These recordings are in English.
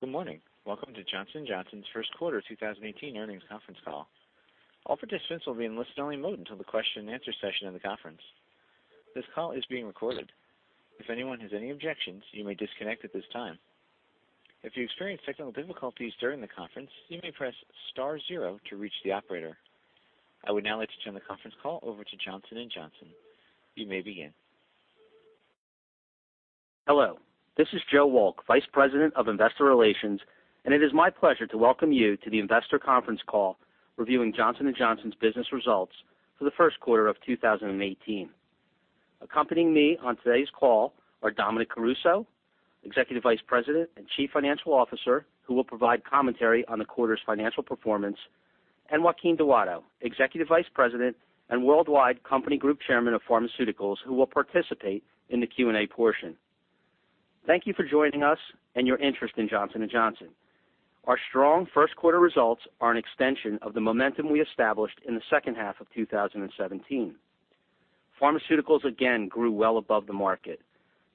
Good morning. Welcome to Johnson & Johnson's first quarter 2018 earnings conference call. All participants will be in listen-only mode until the question and answer session of the conference. This call is being recorded. If anyone has any objections, you may disconnect at this time. If you experience technical difficulties during the conference, you may press star zero to reach the operator. I would now like to turn the conference call over to Johnson & Johnson. You may begin. Hello, this is Joe Wolk, Vice President of Investor Relations, and it is my pleasure to welcome you to the investor conference call reviewing Johnson & Johnson's business results for the first quarter of 2018. Accompanying me on today's call are Dominic Caruso, Executive Vice President and Chief Financial Officer, who will provide commentary on the quarter's financial performance. Joaquin Duato, Executive Vice President and Worldwide Company Group Chairman of Pharmaceuticals, will participate in the Q&A portion. Thank you for joining us and your interest in Johnson & Johnson. Our strong first quarter results are an extension of the momentum we established in the second half of 2017. Pharmaceuticals again grew well above the market.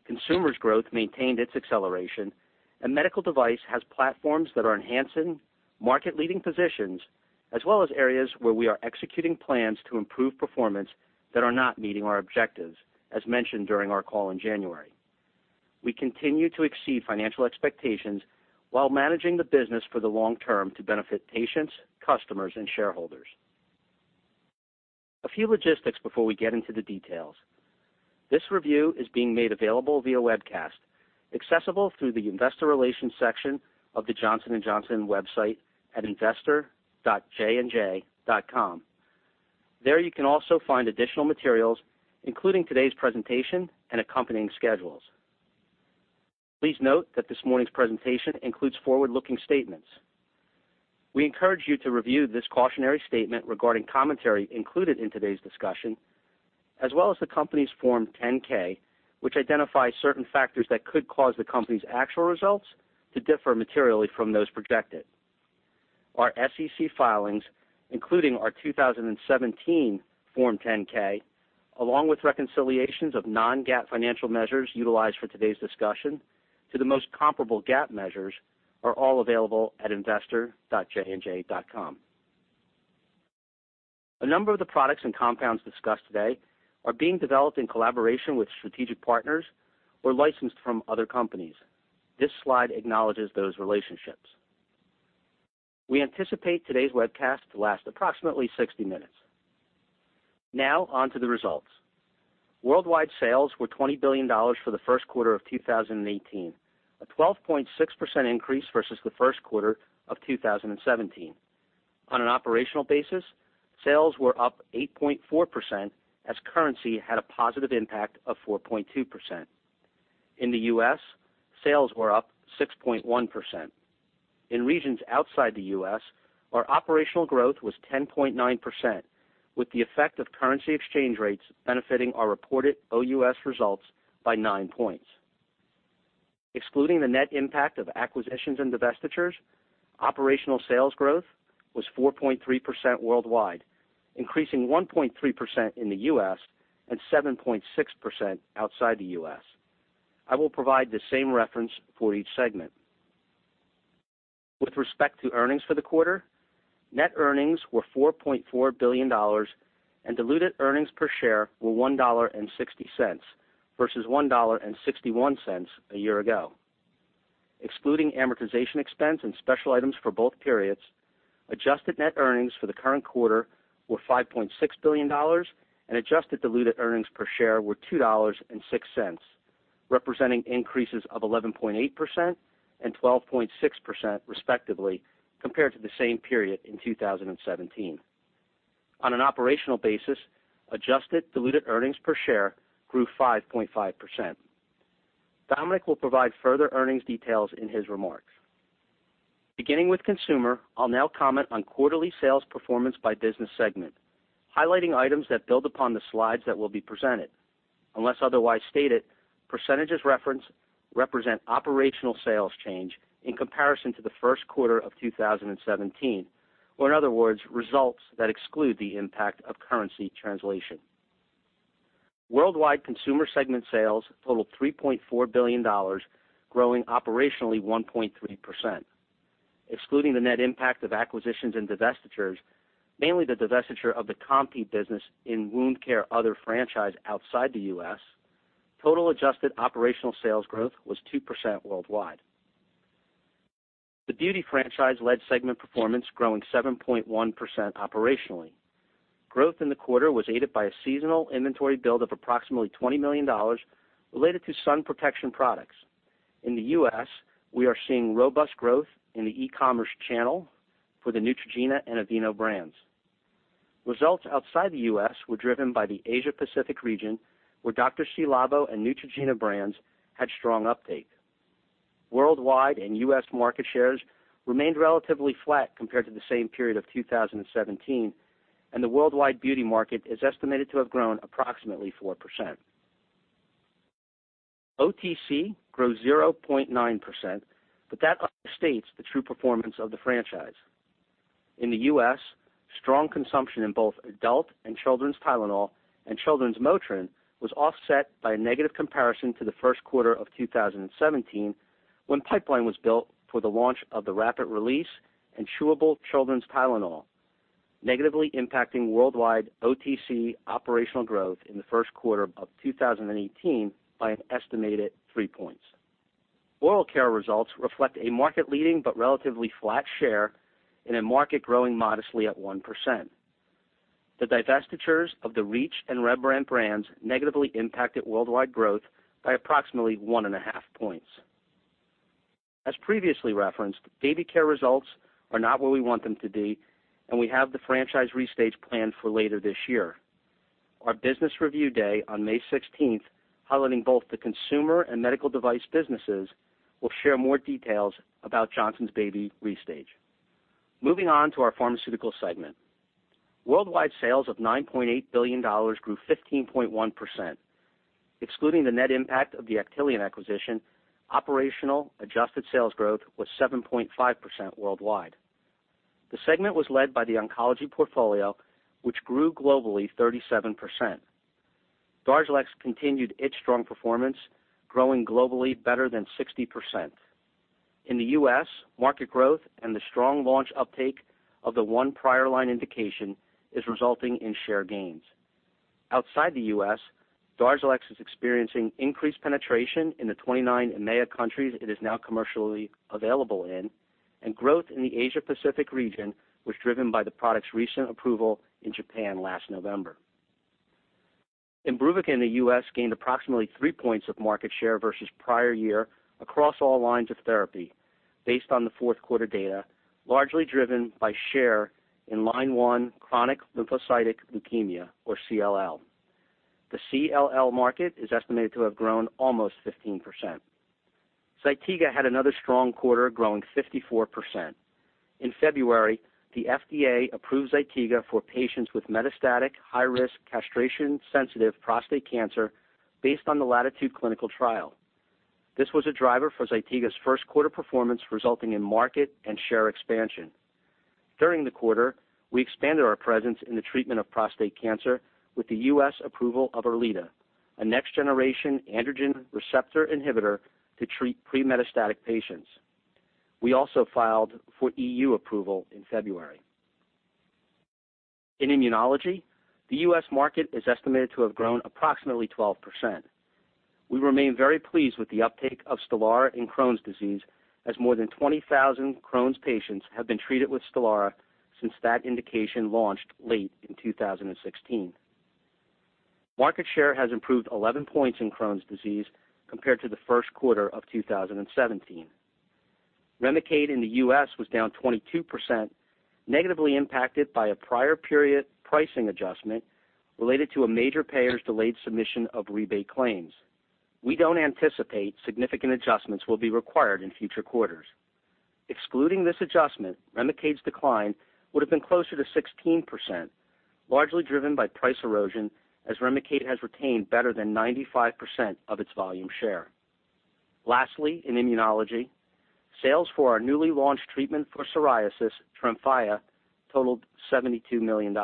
Consumer growth maintained its acceleration. Medical Devices has platforms that are enhancing market-leading positions, as well as areas where we are executing plans to improve performance that are not meeting our objectives, as mentioned during our call in January. We continue to exceed financial expectations while managing the business for the long term to benefit patients, customers, and shareholders. A few logistics before we get into the details. This review is being made available via webcast, accessible through the investor relations section of the Johnson & Johnson website at investor.jandj.com. There you can also find additional materials, including today's presentation and accompanying schedules. Please note that this morning's presentation includes forward-looking statements. We encourage you to review this cautionary statement regarding commentary included in today's discussion, as well as the company's Form 10-K, which identifies certain factors that could cause the company's actual results to differ materially from those projected. Our SEC filings, including our 2017 Form 10-K, along with reconciliations of non-GAAP financial measures utilized for today's discussion to the most comparable GAAP measures, are all available at investor.jandj.com. A number of the products and compounds discussed today are being developed in collaboration with strategic partners or licensed from other companies. This slide acknowledges those relationships. We anticipate today's webcast to last approximately 60 minutes. On to the results. Worldwide sales were $20 billion for the first quarter of 2018, a 12.6% increase versus the first quarter of 2017. On an operational basis, sales were up 8.4% as currency had a positive impact of 4.2%. In the U.S., sales were up 6.1%. In regions outside the U.S., our operational growth was 10.9%, with the effect of currency exchange rates benefiting our reported OUS results by 9 points. Excluding the net impact of acquisitions and divestitures, operational sales growth was 4.3% worldwide, increasing 1.3% in the U.S. and 7.6% outside the U.S. I will provide the same reference for each segment. With respect to earnings for the quarter, net earnings were $4.4 billion and diluted earnings per share were $1.60 versus $1.61 a year ago. Excluding amortization expense and special items for both periods, adjusted net earnings for the current quarter were $5.6 billion and adjusted diluted earnings per share were $2.06, representing increases of 11.8% and 12.6% respectively compared to the same period in 2017. On an operational basis, adjusted diluted earnings per share grew 5.5%. Dominic will provide further earnings details in his remarks. Beginning with consumer, I'll now comment on quarterly sales performance by business segment, highlighting items that build upon the slides that will be presented. Unless otherwise stated, percentages referenced represent operational sales change in comparison to the first quarter of 2017, or in other words, results that exclude the impact of currency translation. Worldwide consumer segment sales totaled $3.4 billion, growing operationally 1.3%. Excluding the net impact of acquisitions and divestitures, mainly the divestiture of the Compeed business in wound care other franchise outside the U.S., total adjusted operational sales growth was 2% worldwide. The beauty franchise led segment performance growing 7.1% operationally. Growth in the quarter was aided by a seasonal inventory build of approximately $20 million related to sun protection products. In the U.S., we are seeing robust growth in the e-commerce channel for the Neutrogena and Aveeno brands. Results outside the U.S. were driven by the Asia Pacific region, where Dr. Ci:Labo and Neutrogena brands had strong uptake. Worldwide and U.S. market shares remained relatively flat compared to the same period of 2017, and the worldwide beauty market is estimated to have grown approximately 4%. OTC grew 0.9%. That understates the true performance of the franchise. In the U.S., strong consumption in both adult and children's Tylenol and children's Motrin was offset by a negative comparison to the first quarter of 2017, when pipeline was built for the launch of the rapid release and chewable children's Tylenol, negatively impacting worldwide OTC operational growth in the first quarter of 2018 by an estimated 3 points. Oral care results reflect a market-leading relatively flat share in a market growing modestly at 1%. The divestitures of the Reach and Rembrandt brands negatively impacted worldwide growth by approximately one and a half points. As previously referenced, baby care results are not where we want them to be, and we have the franchise restage planned for later this year. Our business review day on May 16th, highlighting both the consumer and medical device businesses, will share more details about Johnson's Baby restage. Moving on to our pharmaceutical segment. Worldwide sales of $9.8 billion grew 15.1%. Excluding the net impact of the Actelion acquisition, operational adjusted sales growth was 7.5% worldwide. The segment was led by the oncology portfolio, which grew globally 37%. DARZALEX continued its strong performance, growing globally better than 60%. In the U.S., market growth and the strong launch uptake of the 1 prior line indication is resulting in share gains. Outside the U.S., DARZALEX is experiencing increased penetration in the 29 EMEA countries it is now commercially available in, and growth in the Asia Pacific region was driven by the product's recent approval in Japan last November. IMBRUVICA in the U.S. gained approximately three points of market share versus prior year across all lines of therapy, based on the fourth quarter data, largely driven by share in line 1 chronic lymphocytic leukemia or CLL. The CLL market is estimated to have grown almost 15%. ZYTIGA had another strong quarter, growing 54%. In February, the FDA approved ZYTIGA for patients with metastatic high-risk castration-sensitive prostate cancer based on the LATITUDE clinical trial. This was a driver for ZYTIGA's first quarter performance, resulting in market and share expansion. During the quarter, we expanded our presence in the treatment of prostate cancer with the U.S. approval of ERLEADA, a next-generation androgen receptor inhibitor to treat pre-metastatic patients. We also filed for EU approval in February. In immunology, the U.S. market is estimated to have grown approximately 12%. We remain very pleased with the uptake of STELARA in Crohn's disease, as more than 20,000 Crohn's patients have been treated with STELARA since that indication launched late in 2016. Market share has improved 11 points in Crohn's disease compared to the first quarter of 2017. REMICADE in the U.S. was down 22%, negatively impacted by a prior period pricing adjustment related to a major payer's delayed submission of rebate claims. We don't anticipate significant adjustments will be required in future quarters. Excluding this adjustment, REMICADE's decline would have been closer to 16%, largely driven by price erosion, as REMICADE has retained better than 95% of its volume share. Lastly, in immunology, sales for our newly launched treatment for psoriasis, TREMFYA, totaled $72 million.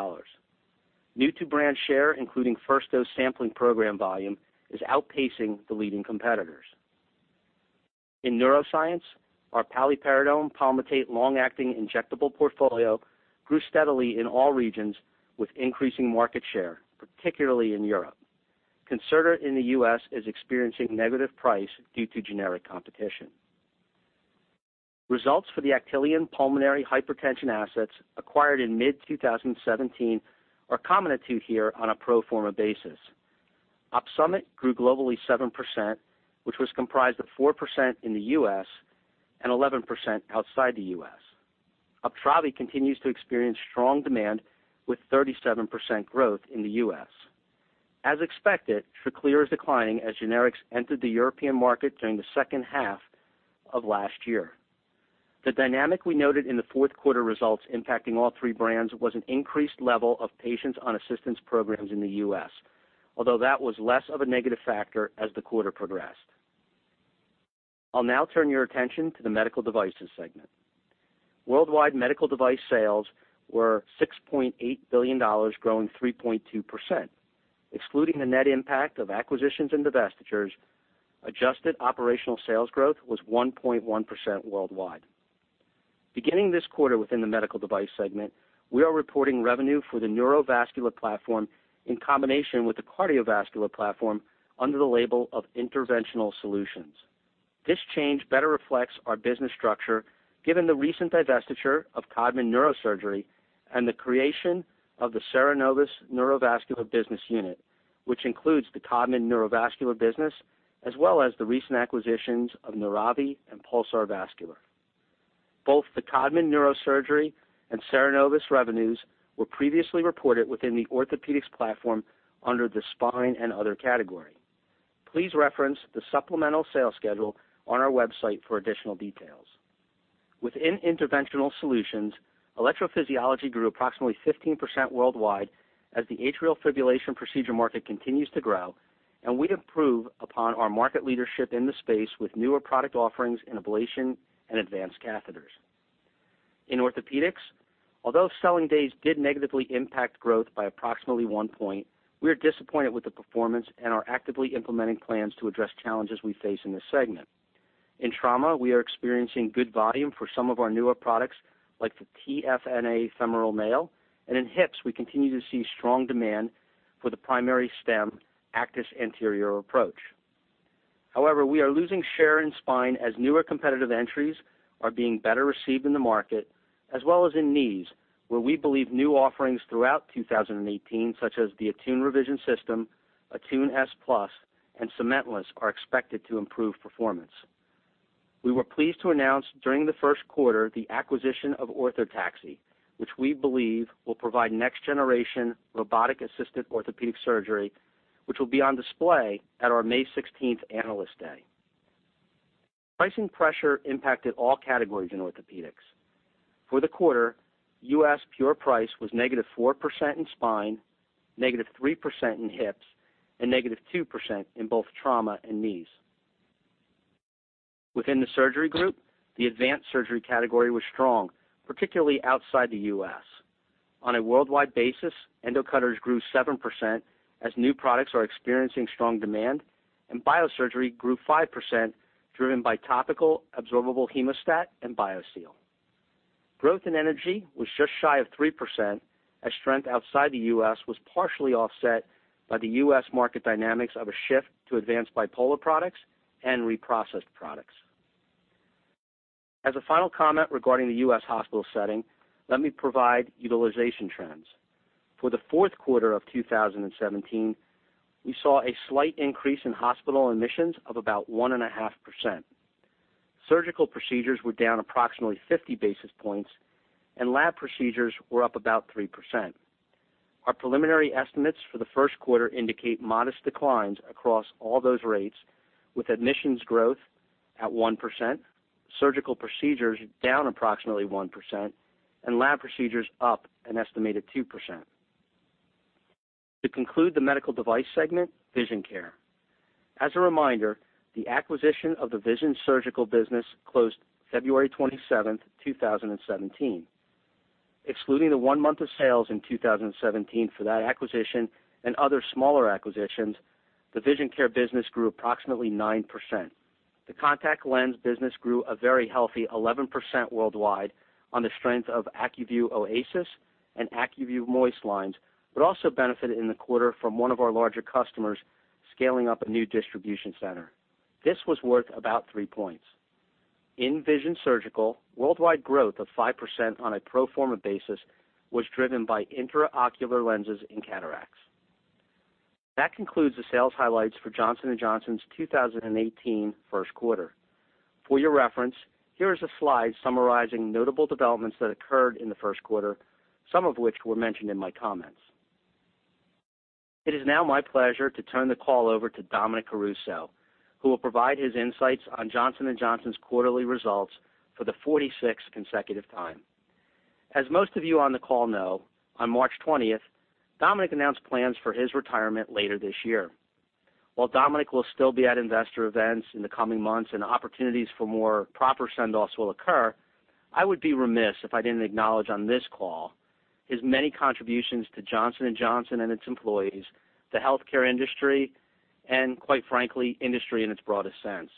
New to brand share, including first dose sampling program volume, is outpacing the leading competitors. In neuroscience, our paliperidone palmitate long-acting injectable portfolio grew steadily in all regions with increasing market share, particularly in Europe. CONCERTA in the U.S. is experiencing negative price due to generic competition. Results for the Actelion pulmonary hypertension assets acquired in mid-2017 are commented to here on a pro forma basis. OPSUMIT grew globally 7%, which was comprised of 4% in the U.S. and 11% outside the U.S. UPTRAVI continues to experience strong demand with 37% growth in the U.S. As expected, TRACLEER is declining as generics entered the European market during the second half of last year. The dynamic we noted in the fourth quarter results impacting all three brands was an increased level of patients on assistance programs in the U.S., although that was less of a negative factor as the quarter progressed. I'll now turn your attention to the medical devices segment. Worldwide medical device sales were $6.8 billion, growing 3.2%. Excluding the net impact of acquisitions and divestitures, adjusted operational sales growth was 1.1% worldwide. Beginning this quarter within the medical device segment, we are reporting revenue for the neurovascular platform in combination with the cardiovascular platform under the label of Interventional Solutions. This change better reflects our business structure given the recent divestiture of Codman Neurosurgery and the creation of the CERENOVUS Neurovascular Business Unit, which includes the Codman neurovascular business, as well as the recent acquisitions of Neuravi and Pulsar Vascular. Both the Codman Neurosurgery and CERENOVUS revenues were previously reported within the orthopedics platform under the spine and other category. Please reference the supplemental sales schedule on our website for additional details. Within Interventional Solutions, electrophysiology grew approximately 15% worldwide as the atrial fibrillation procedure market continues to grow, and we improve upon our market leadership in the space with newer product offerings in ablation and advanced catheters. In orthopedics, although selling days did negatively impact growth by approximately one point, we are disappointed with the performance and are actively implementing plans to address challenges we face in this segment. In trauma, we are experiencing good volume for some of our newer products, like the TFNA femoral nail, and in hips, we continue to see strong demand for the primary stem ACTIS anterior approach. However, we are losing share in spine as newer competitive entries are being better received in the market, as well as in knees, where we believe new offerings throughout 2018, such as the ATTUNE Revision System, ATTUNE S+, and Cementless are expected to improve performance. We were pleased to announce during the first quarter the acquisition of Orthotaxy, which we believe will provide next-generation robotic-assisted orthopedic surgery, which will be on display at our May 16th Analyst Day. Pricing pressure impacted all categories in orthopedics. For the quarter, U.S. pure price was -4% in spine, -3% in hips, and -2% in both trauma and knees. Within the surgery group, the advanced surgery category was strong, particularly outside the U.S. On a worldwide basis, endocutters grew 7% as new products are experiencing strong demand, and biosurgery grew 5%, driven by topical absorbable hemostat and BIOSEAL. Growth in energy was just shy of 3% as strength outside the U.S. was partially offset by the U.S. market dynamics of a shift to advanced bipolar products and reprocessed products. As a final comment regarding the U.S. hospital setting, let me provide utilization trends. For the fourth quarter of 2017, we saw a slight increase in hospital admissions of about 1.5%. Surgical procedures were down approximately 50 basis points, and lab procedures were up about 3%. Our preliminary estimates for the first quarter indicate modest declines across all those rates, with admissions growth at 1%, surgical procedures down approximately 1%, and lab procedures up an estimated 2%. To conclude the medical device segment, vision care. As a reminder, the acquisition of the vision surgical business closed February 27, 2017. Excluding the one month of sales in 2017 for that acquisition and other smaller acquisitions, the vision care business grew approximately 9%. The contact lens business grew a very healthy 11% worldwide on the strength of ACUVUE OASYS and ACUVUE MOIST lines, but also benefited in the quarter from one of our larger customers scaling up a new distribution center. This was worth about three points. In vision surgical, worldwide growth of 5% on a pro forma basis was driven by intraocular lenses and cataracts. That concludes the sales highlights for Johnson & Johnson's 2018 first quarter. For your reference, here is a slide summarizing notable developments that occurred in the first quarter, some of which were mentioned in my comments. It is now my pleasure to turn the call over to Dominic Caruso, who will provide his insights on Johnson & Johnson's quarterly results for the 46th consecutive time. As most of you on the call know, on March 20th, Dominic announced plans for his retirement later this year. While Dominic will still be at investor events in the coming months and opportunities for more proper send-offs will occur, I would be remiss if I didn't acknowledge on this call his many contributions to Johnson & Johnson and its employees, the healthcare industry, and quite frankly, industry in its broadest sense.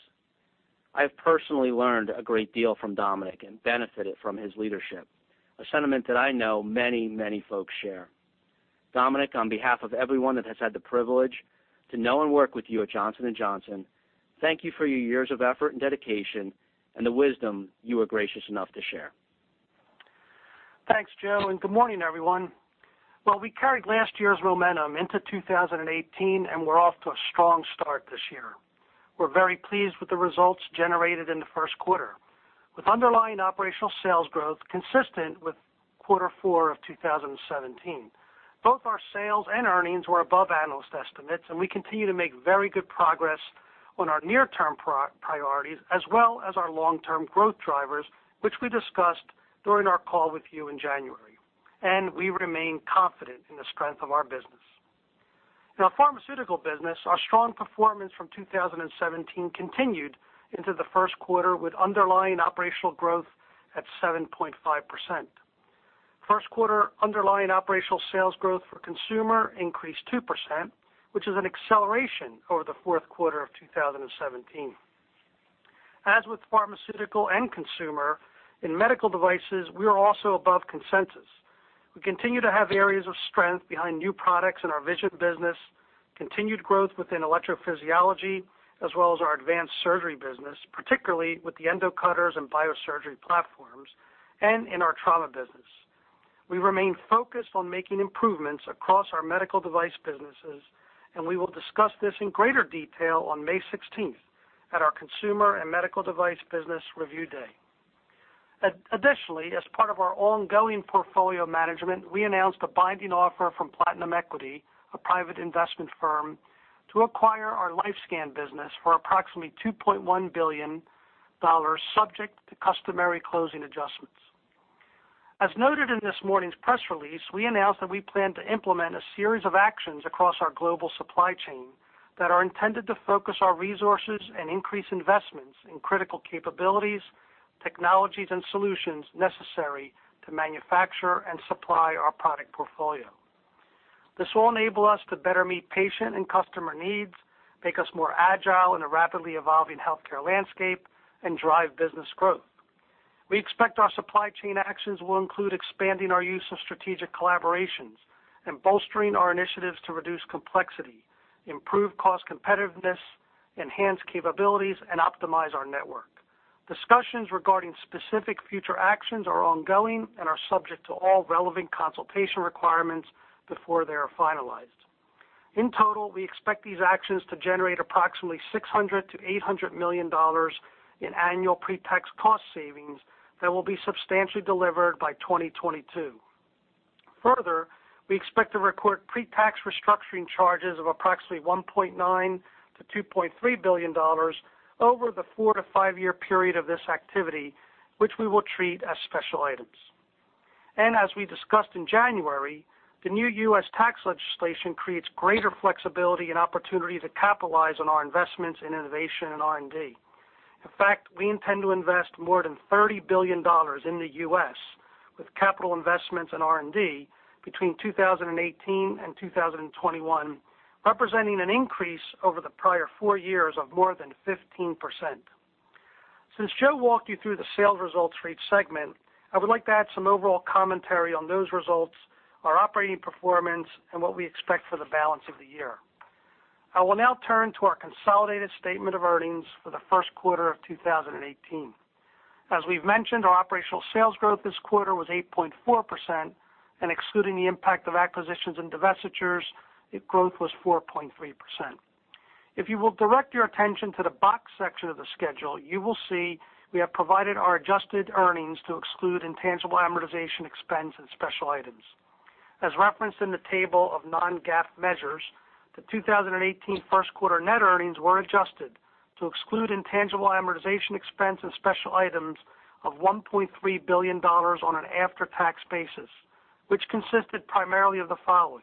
I have personally learned a great deal from Dominic and benefited from his leadership, a sentiment that I know many, many folks share. Dominic, on behalf of everyone that has had the privilege to know and work with you at Johnson & Johnson, thank you for your years of effort and dedication and the wisdom you were gracious enough to share. Thanks, Joe, and good morning, everyone. Well, we carried last year's momentum into 2018, and we're off to a strong start this year. We're very pleased with the results generated in the first quarter. With underlying operational sales growth consistent with quarter four of 2017, both our sales and earnings were above analyst estimates, and we continue to make very good progress on our near-term priorities as well as our long-term growth drivers, which we discussed during our call with you in January. We remain confident in the strength of our business. In our pharmaceutical business, our strong performance from 2017 continued into the first quarter with underlying operational growth at 7.5%. First quarter underlying operational sales growth for consumer increased 2%, which is an acceleration over the fourth quarter of 2017. As with pharmaceutical and consumer, in medical devices, we are also above consensus. We continue to have areas of strength behind new products in our Vision business, continued growth within electrophysiology, as well as our advanced surgery business, particularly with the endocutters and biosurgery platforms, and in our trauma business. We remain focused on making improvements across our medical device businesses, and we will discuss this in greater detail on May 16th at our Consumer and Medical Device Business Review Day. Additionally, as part of our ongoing portfolio management, we announced a binding offer from Platinum Equity, a private investment firm, to acquire our LifeScan business for approximately $2.1 billion, subject to customary closing adjustments. As noted in this morning's press release, we announced that we plan to implement a series of actions across our global supply chain that are intended to focus our resources and increase investments in critical capabilities, technologies, and solutions necessary to manufacture and supply our product portfolio. This will enable us to better meet patient and customer needs, make us more agile in a rapidly evolving healthcare landscape, and drive business growth. We expect our supply chain actions will include expanding our use of strategic collaborations and bolstering our initiatives to reduce complexity, improve cost competitiveness, enhance capabilities, and optimize our network. Discussions regarding specific future actions are ongoing and are subject to all relevant consultation requirements before they are finalized. In total, we expect these actions to generate approximately $600 million-$800 million in annual pre-tax cost savings that will be substantially delivered by 2022. Further, we expect to record pre-tax restructuring charges of approximately $1.9 billion-$2.3 billion over the four to five-year period of this activity, which we will treat as special items. As we discussed in January, the new U.S. tax legislation creates greater flexibility and opportunity to capitalize on our investments in innovation and R&D. In fact, we intend to invest more than $30 billion in the U.S. with capital investments in R&D between 2018 and 2021, representing an increase over the prior four years of more than 15%. Since Joe walked you through the sales results for each segment, I would like to add some overall commentary on those results, our operating performance, and what we expect for the balance of the year. I will now turn to our consolidated statement of earnings for the first quarter of 2018. As we've mentioned, our operational sales growth this quarter was 8.4%, excluding the impact of acquisitions and divestitures, the growth was 4.3%. If you will direct your attention to the box section of the schedule, you will see we have provided our adjusted earnings to exclude intangible amortization expense and special items. As referenced in the table of non-GAAP measures, the 2018 first quarter net earnings were adjusted to exclude intangible amortization expense and special items of $1.3 billion on an after-tax basis, which consisted primarily of the following: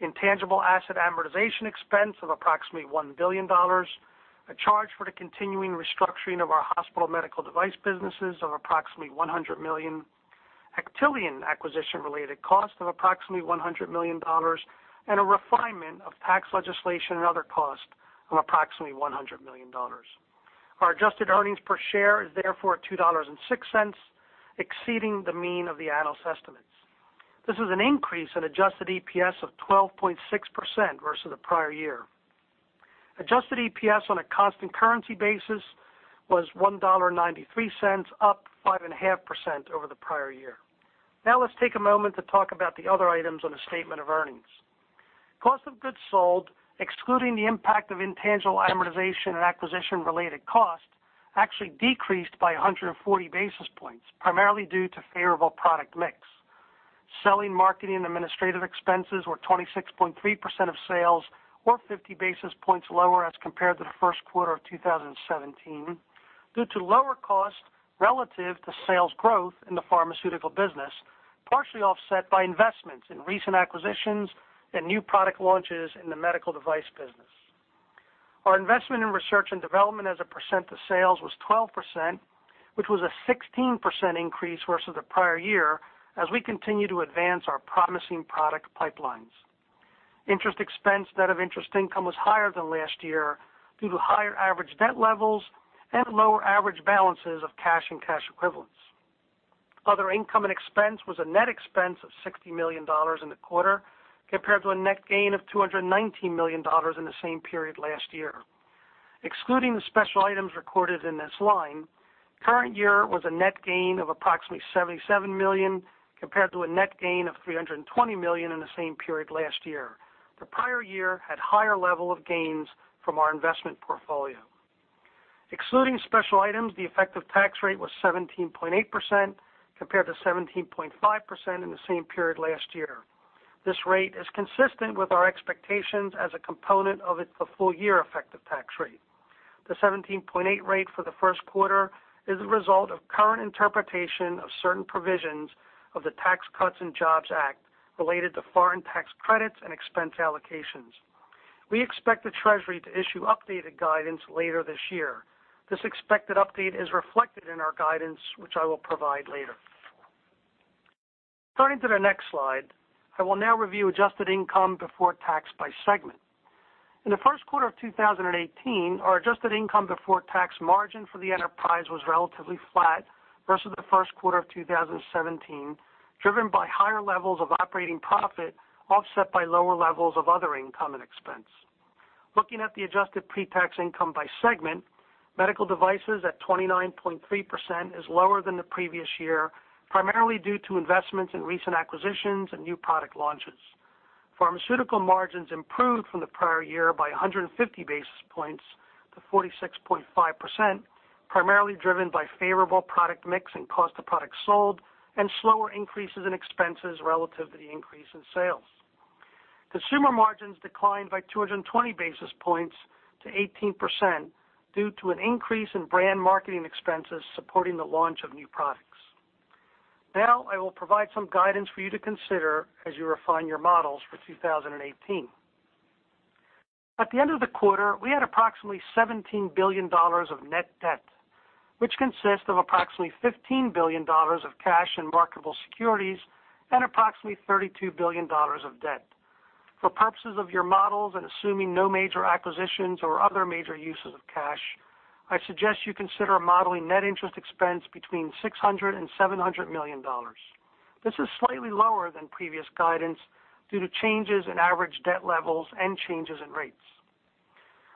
Intangible asset amortization expense of approximately $1 billion, a charge for the continuing restructuring of our hospital medical device businesses of approximately $100 million, Actelion acquisition-related cost of approximately $100 million, and a refinement of tax legislation and other costs of approximately $100 million. Our adjusted earnings per share is therefore at $2.06, exceeding the mean of the analyst estimates. This is an increase in adjusted EPS of 12.6% versus the prior year. Adjusted EPS on a constant currency basis was $1.93, up 5.5% over the prior year. Let's take a moment to talk about the other items on the statement of earnings. Cost of goods sold, excluding the impact of intangible amortization and acquisition-related cost, actually decreased by 140 basis points, primarily due to favorable product mix. Selling, marketing, and administrative expenses were 26.3% of sales or 50 basis points lower as compared to the first quarter of 2017, due to lower cost relative to sales growth in the pharmaceutical business, partially offset by investments in recent acquisitions and new product launches in the medical device business. Our investment in research and development as a percent to sales was 12%, which was a 16% increase versus the prior year as we continue to advance our promising product pipelines. Interest expense net of interest income was higher than last year due to higher average debt levels and lower average balances of cash and cash equivalents. Other income and expense was a net expense of $60 million in the quarter, compared to a net gain of $219 million in the same period last year. Excluding the special items recorded in this line, current year was a net gain of approximately $77 million, compared to a net gain of $320 million in the same period last year. The prior year had higher level of gains from our investment portfolio. Excluding special items, the effective tax rate was 17.8% compared to 17.5% in the same period last year. This rate is consistent with our expectations as a component of the full year effective tax rate. The 17.8% rate for the first quarter is the result of current interpretation of certain provisions of the Tax Cuts and Jobs Act related to foreign tax credits and expense allocations. We expect the Treasury to issue updated guidance later this year. This expected update is reflected in our guidance, which I will provide later. Turning to the next slide, I will now review adjusted income before tax by segment. In the first quarter of 2018, our adjusted income before tax margin for the enterprise was relatively flat versus the first quarter of 2017, driven by higher levels of operating profit offset by lower levels of other income and expense. Looking at the adjusted pre-tax income by segment, medical devices at 29.3% is lower than the previous year, primarily due to investments in recent acquisitions and new product launches. Pharmaceutical margins improved from the prior year by 150 basis points to 46.5%, primarily driven by favorable product mix and cost of products sold and slower increases in expenses relative to the increase in sales. Consumer margins declined by 220 basis points to 18%, due to an increase in brand marketing expenses supporting the launch of new products. I will provide some guidance for you to consider as you refine your models for 2018. At the end of the quarter, we had approximately $17 billion of net debt, which consists of approximately $15 billion of cash and marketable securities and approximately $32 billion of debt. For purposes of your models and assuming no major acquisitions or other major uses of cash, I suggest you consider modeling net interest expense between $600 million-$700 million. This is slightly lower than previous guidance due to changes in average debt levels and changes in rates.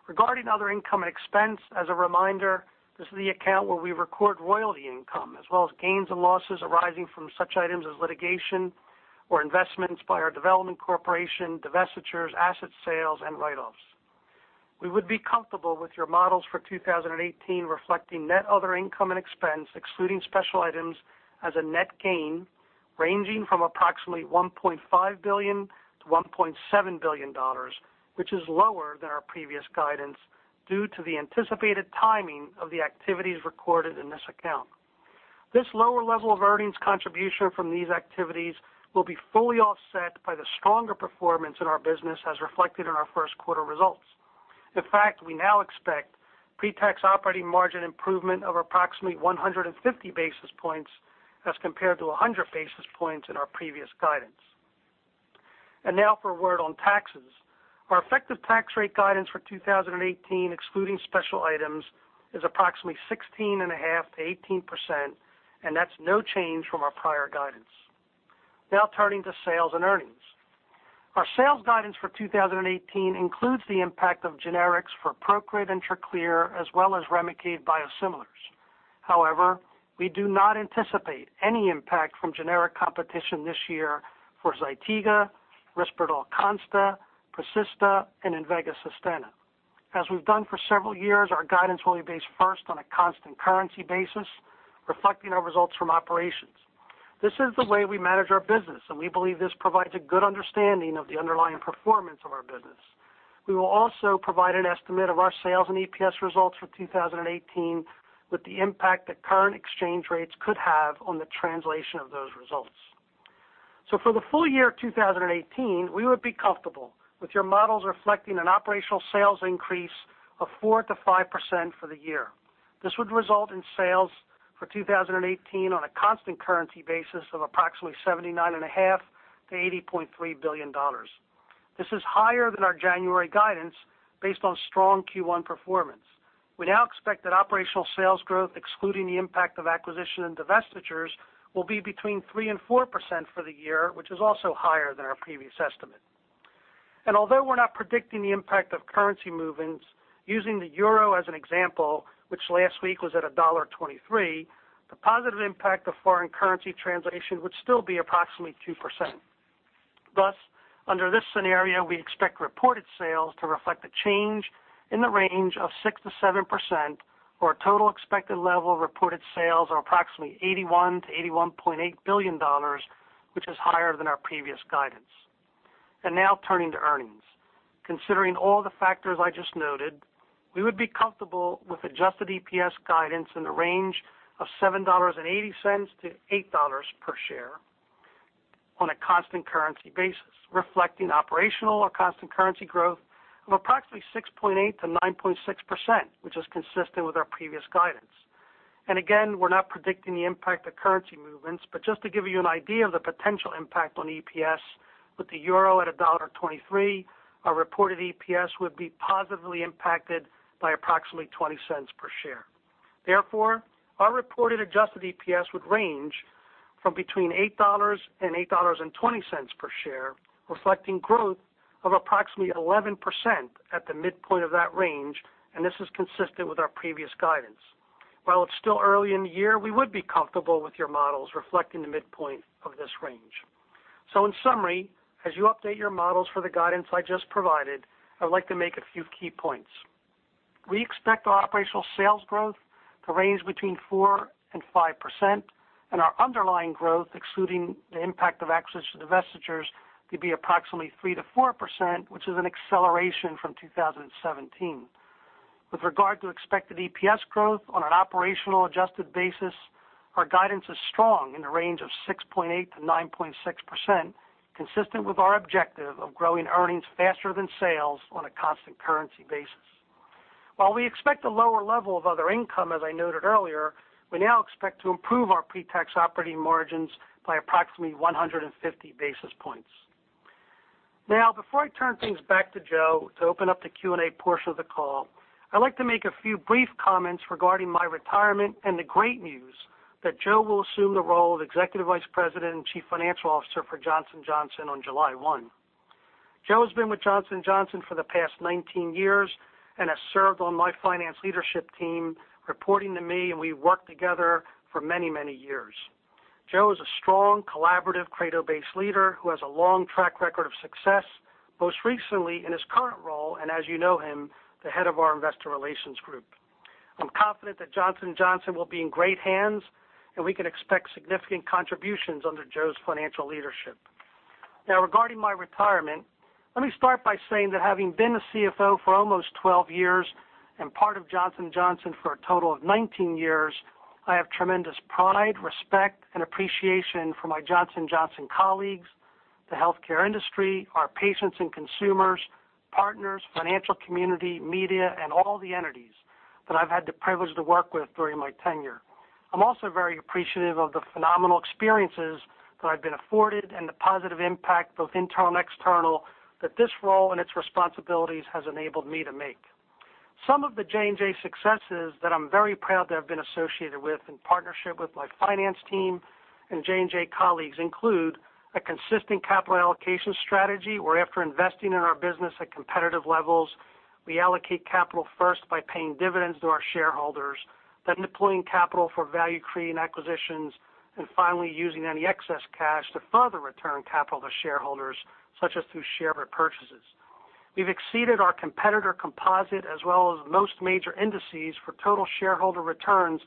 Regarding other income expense, as a reminder, this is the account where we record royalty income, as well as gains and losses arising from such items as litigation or investments by our development corporation, divestitures, asset sales, and write-offs. We would be comfortable with your models for 2018 reflecting net other income and expense, excluding special items as a net gain ranging from approximately $1.5 billion-$1.7 billion, which is lower than our previous guidance due to the anticipated timing of the activities recorded in this account. This lower level of earnings contribution from these activities will be fully offset by the stronger performance in our business as reflected in our first quarter results. In fact, we now expect pre-tax operating margin improvement of approximately 150 basis points as compared to 100 basis points in our previous guidance. Now for a word on taxes. Our effective tax rate guidance for 2018, excluding special items, is approximately 16.5%-18%, and that's no change from our prior guidance. Now turning to sales and earnings. Our sales guidance for 2018 includes the impact of generics for PROCRIT and TRACLEER, as well as REMICADE biosimilars. However, we do not anticipate any impact from generic competition this year for ZYTIGA, RISPERDAL CONSTA, PREZISTA, and INVEGA SUSTENNA. As we've done for several years, our guidance will be based first on a constant currency basis, reflecting our results from operations. This is the way we manage our business, and we believe this provides a good understanding of the underlying performance of our business. We will also provide an estimate of our sales and EPS results for 2018 with the impact that current exchange rates could have on the translation of those results. For the full year 2018, we would be comfortable with your models reflecting an operational sales increase of 4%-5% for the year. This would result in sales for 2018 on a constant currency basis of approximately $79.5 billion-$80.3 billion. This is higher than our January guidance based on strong Q1 performance. We now expect that operational sales growth, excluding the impact of acquisition and divestitures, will be between 3% and 4% for the year, which is also higher than our previous estimate. Although we're not predicting the impact of currency movements, using the euro as an example, which last week was at $1.23, the positive impact of foreign currency translation would still be approximately 2%. Thus, under this scenario, we expect reported sales to reflect a change in the range of 6%-7%, or a total expected level of reported sales of approximately $81 billion-$81.8 billion, which is higher than our previous guidance. Now turning to earnings. Considering all the factors I just noted, we would be comfortable with adjusted EPS guidance in the range of $7.80-$8 per share on a constant currency basis, reflecting operational or constant currency growth of approximately 6.8%-9.6%, which is consistent with our previous guidance. Again, we're not predicting the impact of currency movements, but just to give you an idea of the potential impact on EPS with the euro at $1.23, our reported EPS would be positively impacted by approximately $0.20 per share. Therefore, our reported adjusted EPS would range from between $8 and $8.20 per share, reflecting growth of approximately 11% at the midpoint of that range, this is consistent with our previous guidance. While it's still early in the year, we would be comfortable with your models reflecting the midpoint of this range. In summary, as you update your models for the guidance I just provided, I would like to make a few key points. We expect our operational sales growth to range between 4% and 5%, and our underlying growth, excluding the impact of acquisition and divestitures, to be approximately 3%-4%, which is an acceleration from 2017. With regard to expected EPS growth on an operational adjusted basis, our guidance is strong in the range of 6.8%-9.6%, consistent with our objective of growing earnings faster than sales on a constant currency basis. While we expect a lower level of other income, as I noted earlier, we now expect to improve our pre-tax operating margins by approximately 150 basis points. Before I turn things back to Joe to open up the Q&A portion of the call, I'd like to make a few brief comments regarding my retirement and the great news that Joe will assume the role of Executive Vice President and Chief Financial Officer for Johnson & Johnson on July 1. Joe has been with Johnson & Johnson for the past 19 years and has served on my finance leadership team, reporting to me, and we've worked together for many, many years. Joe is a strong, collaborative, credo-based leader who has a long track record of success, most recently in his current role, and as you know him, the head of our investor relations group. I'm confident that Johnson & Johnson will be in great hands, and we can expect significant contributions under Joe's financial leadership. Regarding my retirement, let me start by saying that having been a CFO for almost 12 years and part of Johnson & Johnson for a total of 19 years, I have tremendous pride, respect, and appreciation for my Johnson & Johnson colleagues, the healthcare industry, our patients and consumers, partners, financial community, media, and all the entities that I've had the privilege to work with during my tenure. I'm also very appreciative of the phenomenal experiences that I've been afforded and the positive impact, both internal and external, that this role and its responsibilities has enabled me to make. Some of the J&J successes that I'm very proud to have been associated with in partnership with my finance team and J&J colleagues include a consistent capital allocation strategy where after investing in our business at competitive levels, we allocate capital first by paying dividends to our shareholders, then deploying capital for value-creating acquisitions, and finally using any excess cash to further return capital to shareholders, such as through share repurchases. We've exceeded our competitor composite as well as most major indices for total shareholder returns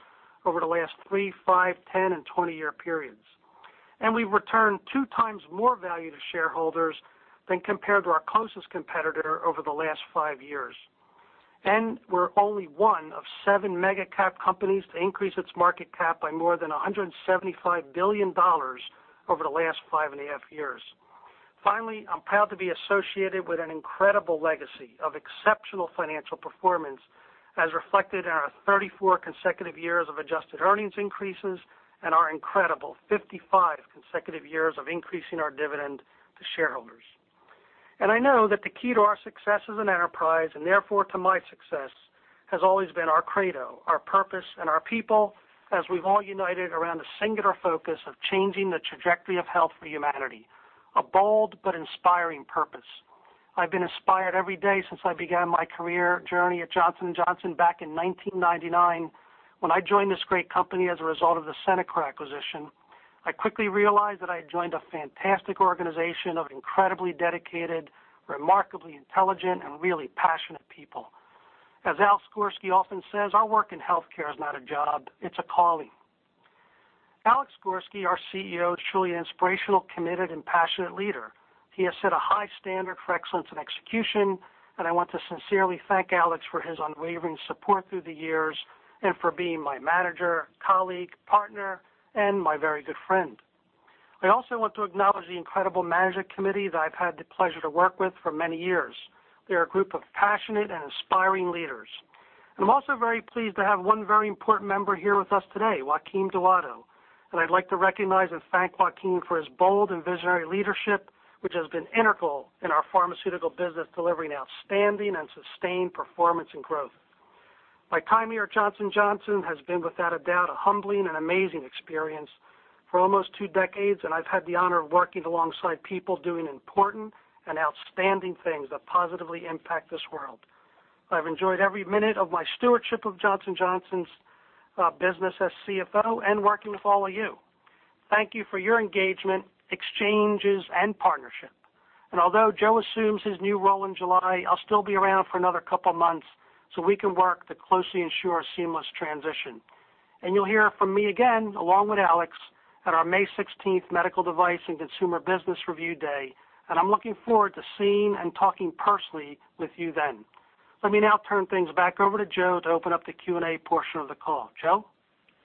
over the last three, five, 10, and 20-year periods. We've returned two times more value to shareholders than compared to our closest competitor over the last five years. We're only one of seven mega-cap companies to increase its market cap by more than $175 billion over the last five and a half years. Finally, I'm proud to be associated with an incredible legacy of exceptional financial performance, as reflected in our 34 consecutive years of adjusted earnings increases and our incredible 55 consecutive years of increasing our dividend to shareholders. I know that the key to our success as an enterprise, and therefore to my success, has always been our credo, our purpose, and our people, as we've all united around a singular focus of changing the trajectory of health for humanity. A bold but inspiring purpose. I've been inspired every day since I began my career journey at Johnson & Johnson back in 1999, when I joined this great company as a result of the Centocor acquisition. I quickly realized that I had joined a fantastic organization of incredibly dedicated, remarkably intelligent, and really passionate people. As Alex Gorsky often says, "Our work in healthcare is not a job, it's a calling." Alex Gorsky, our CEO, is truly an inspirational, committed, and passionate leader. He has set a high standard for excellence and execution. I want to sincerely thank Alex for his unwavering support through the years and for being my manager, colleague, partner, and my very good friend. I also want to acknowledge the incredible management committee that I've had the pleasure to work with for many years. They're a group of passionate and inspiring leaders. I am also very pleased to have one very important member here with us today, Joaquin Duato. I'd like to recognize and thank Joaquin for his bold and visionary leadership, which has been integral in our pharmaceutical business delivering outstanding and sustained performance and growth. My time here at Johnson & Johnson has been, without a doubt, a humbling and amazing experience for almost two decades. I've had the honor of working alongside people doing important and outstanding things that positively impact this world. I've enjoyed every minute of my stewardship of Johnson & Johnson's business as CFO and working with all of you. Thank you for your engagement, exchanges, and partnership. Although Joe assumes his new role in July, I'll still be around for another couple of months so we can work to closely ensure a seamless transition. You'll hear from me again, along with Alex, at our May 16th Medical Device and Consumer Business Review Day. I'm looking forward to seeing and talking personally with you then. Let me now turn things back over to Joe to open up the Q&A portion of the call. Joe?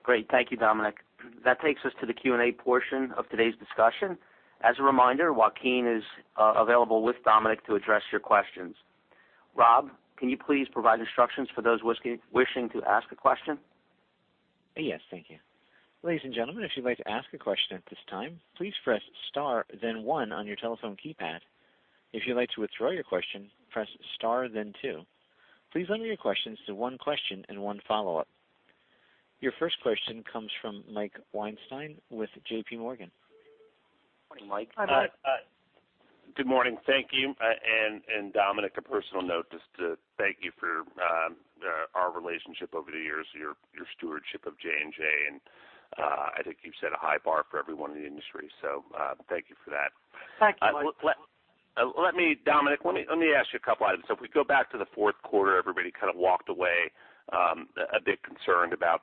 Great. Thank you, Dominic. That takes us to the Q&A portion of today's discussion. As a reminder, Joaquin is available with Dominic to address your questions. Rob, can you please provide instructions for those wishing to ask a question? Yes, thank you. Ladies and gentlemen, if you'd like to ask a question at this time, please press star then one on your telephone keypad. If you'd like to withdraw your question, press star then two. Please limit your questions to one question and one follow-up. Your first question comes from Mike Weinstein with JPMorgan. Mike. Good morning. Thank you. Dominic, a personal note, just to thank you for our relationship over the years, your stewardship of J&J, and I think you've set a high bar for everyone in the industry. Thank you for that. Thank you, Mike. Dominic, let me ask you a couple items. If we go back to the fourth quarter, everybody kind of walked away a bit concerned about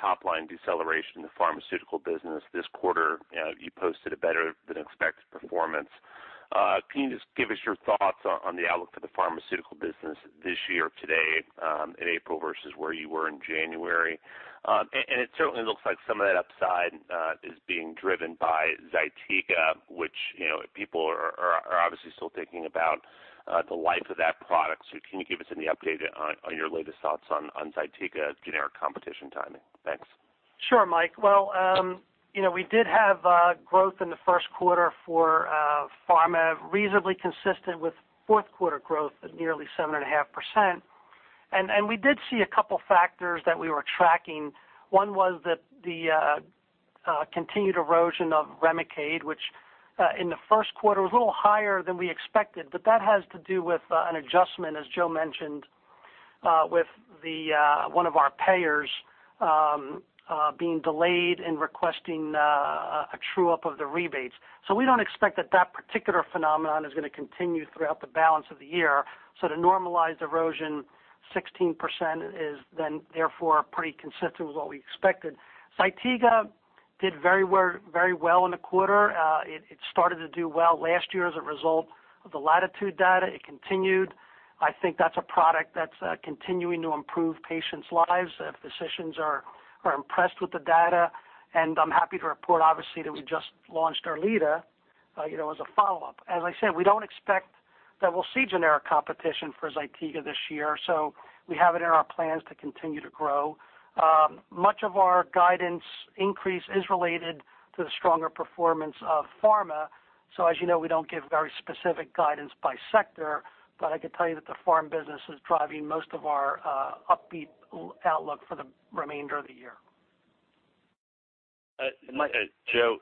top-line deceleration in the pharmaceutical business. This quarter, you posted a better-than-expected performance. Can you just give us your thoughts on the outlook for the pharmaceutical business this year today in April versus where you were in January? It certainly looks like some of that upside is being driven by ZYTIGA, which people are obviously still thinking about the life of that product. Can you give us any update on your latest thoughts on ZYTIGA generic competition timing? Thanks. Sure, Mike. We did have growth in the first quarter for pharma, reasonably consistent with fourth quarter growth at nearly 7.5%. We did see a couple factors that we were tracking. One was that the continued erosion of REMICADE, which in the first quarter was a little higher than we expected, but that has to do with an adjustment, as Joe mentioned, with one of our payers being delayed and requesting a true-up of the rebates. We don't expect that that particular phenomenon is going to continue throughout the balance of the year. The normalized erosion, 16%, is then therefore pretty consistent with what we expected. ZYTIGA did very well in the quarter. It started to do well last year as a result of the LATITUDE data. It continued. I think that's a product that's continuing to improve patients' lives. Physicians are impressed with the data, and I'm happy to report, obviously, that we just launched ERLEADA, as a follow-up. As I said, we don't expect that we'll see generic competition for ZYTIGA this year, we have it in our plans to continue to grow. Much of our guidance increase is related to the stronger performance of pharma. As you know, we don't give very specific guidance by sector, I could tell you that the pharma business is driving most of our upbeat outlook for the remainder of the year. Joe-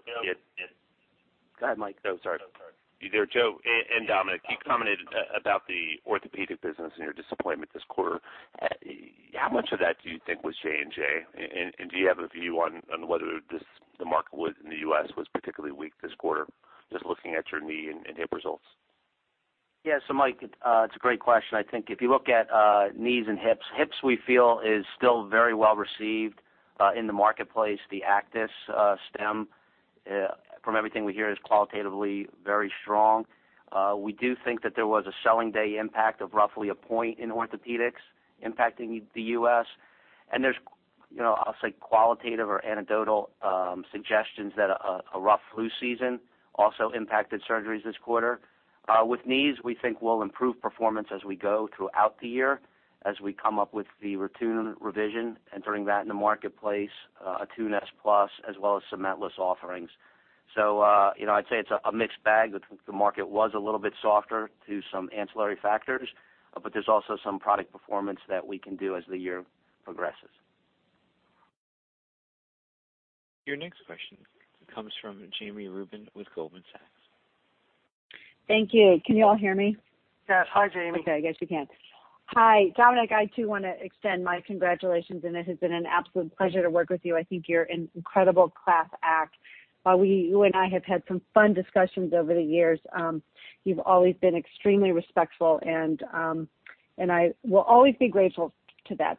Go ahead, Mike. Oh, sorry. Either Joe and Dominic, you commented about the orthopedic business and your disappointment this quarter. How much of that do you think was J&J, and do you have a view on whether the market in the U.S. was particularly weak this quarter, just looking at your knee and hip results? Yeah. Mike, it's a great question. I think if you look at knees and hips we feel is still very well received in the marketplace. The ACTIS stem, from everything we hear, is qualitatively very strong. We do think that there was a selling day impact of roughly a point in orthopedics impacting the U.S., and there's, I'll say, qualitative or anecdotal suggestions that a rough flu season also impacted surgeries this quarter. With knees, we think we'll improve performance as we go throughout the year, as we come up with the ATTUNE revision, entering that in the marketplace, ATTUNE S+ as well as cementless offerings. I'd say it's a mixed bag. The market was a little bit softer to some ancillary factors, there's also some product performance that we can do as the year progresses. Your next question comes from Jami Rubin with Goldman Sachs. Thank you. Can you all hear me? Yes. Hi, Jami. Okay, I guess you can. Hi, Dominic, I too want to extend my congratulations, it has been an absolute pleasure to work with you. I think you're an incredible class act. While you and I have had some fun discussions over the years, you've always been extremely respectful, and I will always be grateful for that.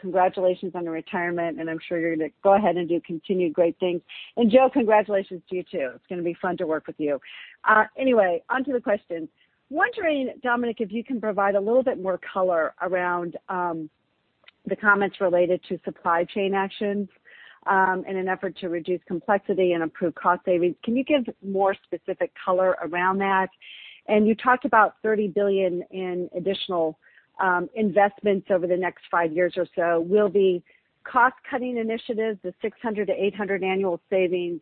Congratulations on your retirement, I'm sure you're going to go ahead and do continued great things. Joe, congratulations to you, too. It's going to be fun to work with you. Anyway, onto the question. Wondering, Dominic, if you can provide a little bit more color around the comments related to supply chain actions in an effort to reduce complexity and improve cost savings. Can you give more specific color around that? You talked about $30 billion in additional investments over the next five years or so. Will the cost-cutting initiatives, the $600 million-$800 million annual savings,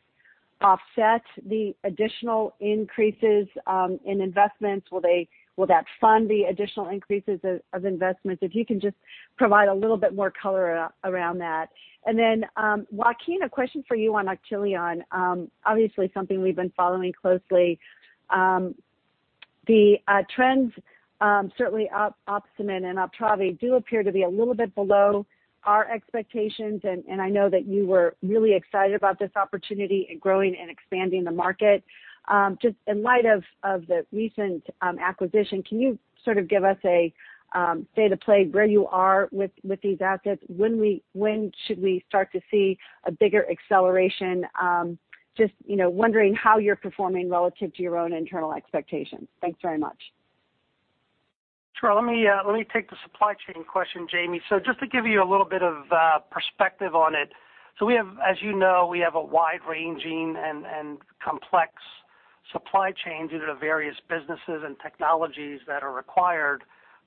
offset the additional increases in investments? Will that fund the additional increases of investments? If you can just provide a little bit more color around that. Joaquin, a question for you on Actelion. Obviously something we've been following closely. The trends, certainly OPSUMIT and UPTRAVI do appear to be a little bit below our expectations, and I know that you were really excited about this opportunity in growing and expanding the market. Just in light of the recent acquisition, can you sort of give us a state of play where you are with these assets? When should we start to see a bigger acceleration? Just wondering how you're performing relative to your own internal expectations. Thanks very much. Sure. Let me take the supply chain question, Jami. Just to give you a little bit of perspective on it. As you know, we have a wide-ranging and complex supply chain due to the various businesses and technologies that are required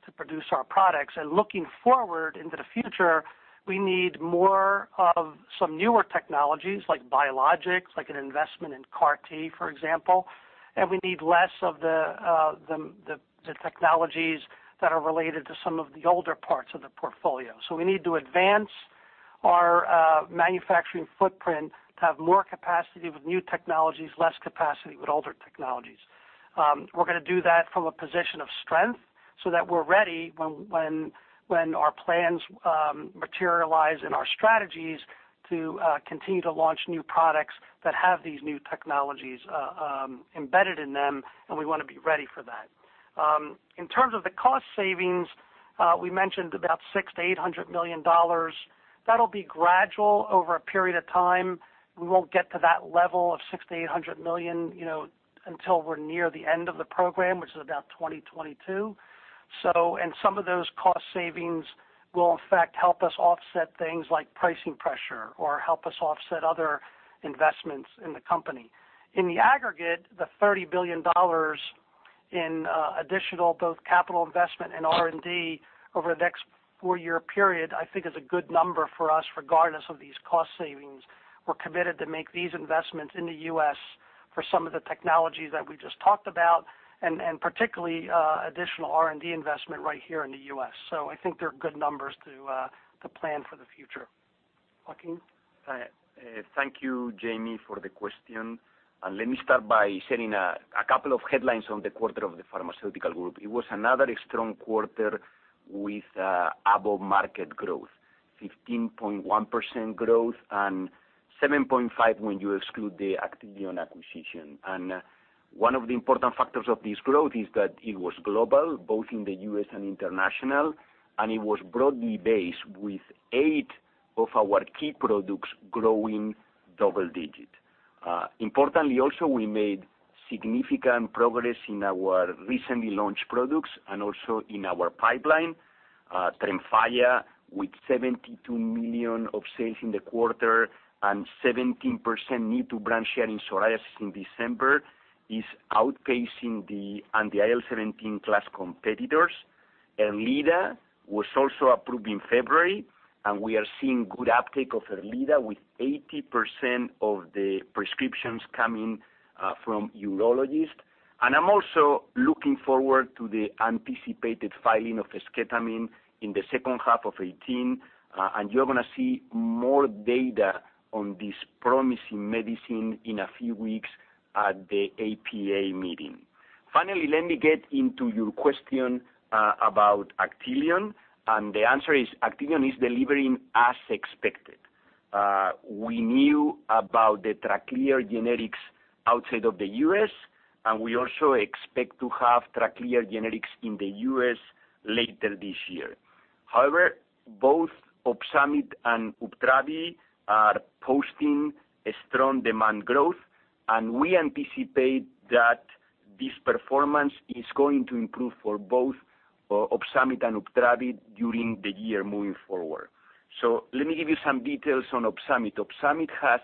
to produce our products. Looking forward into the future, we need more of some newer technologies like biologics, like an investment in CAR T, for example, and we need less of the technologies that are related to some of the older parts of the portfolio. We need to advance our manufacturing footprint to have more capacity with new technologies, less capacity with older technologies. We're going to do that from a position of strength so that we're ready when our plans materialize and our strategies to continue to launch new products that have these new technologies embedded in them. We want to be ready for that. In terms of the cost savings, we mentioned about $600 million-$800 million. That'll be gradual over a period of time. We won't get to that level of $600 million-$800 million, until we're near the end of the program, which is about 2022. Some of those cost savings will in fact help us offset things like pricing pressure or help us offset other investments in the company. In the aggregate, the $30 billion in additional both capital investment and R&D over the next four-year period, I think is a good number for us regardless of these cost savings. We're committed to make these investments in the U.S. for some of the technologies that we just talked about, particularly, additional R&D investment right here in the U.S. I think they're good numbers to plan for the future. Joaquin? Hi. Thank you, Jami, for the question. Let me start by sharing a couple of headlines on the quarter of the pharmaceutical group. It was another strong quarter with above-market growth, 15.1% growth, and 7.5% when you exclude the Actelion acquisition. One of the important factors of this growth is that it was global, both in the U.S. and international, and it was broadly based with eight of our key products growing double digit. Importantly also, we made significant progress in our recently launched products and also in our pipeline. TREMFYA, with $72 million of sales in the quarter and 17% new to brand share in psoriasis in December, is outpacing the IL-17 class competitors. ERLEADA was also approved in February, and we are seeing good uptake of ERLEADA, with 80% of the prescriptions coming from urologists. I'm also looking forward to the anticipated filing of esketamine in the second half of 2018. You're going to see more data on this promising medicine in a few weeks at the APA meeting. Finally, let me get into your question about Actelion. The answer is Actelion is delivering as expected. We knew about the TRACLEER generics outside of the U.S., and we also expect to have TRACLEER generics in the U.S. later this year. However, both OPSUMIT and UPTRAVI are posting a strong demand growth, and we anticipate that this performance is going to improve for both OPSUMIT and UPTRAVI during the year moving forward. Let me give you some details on OPSUMIT. OPSUMIT has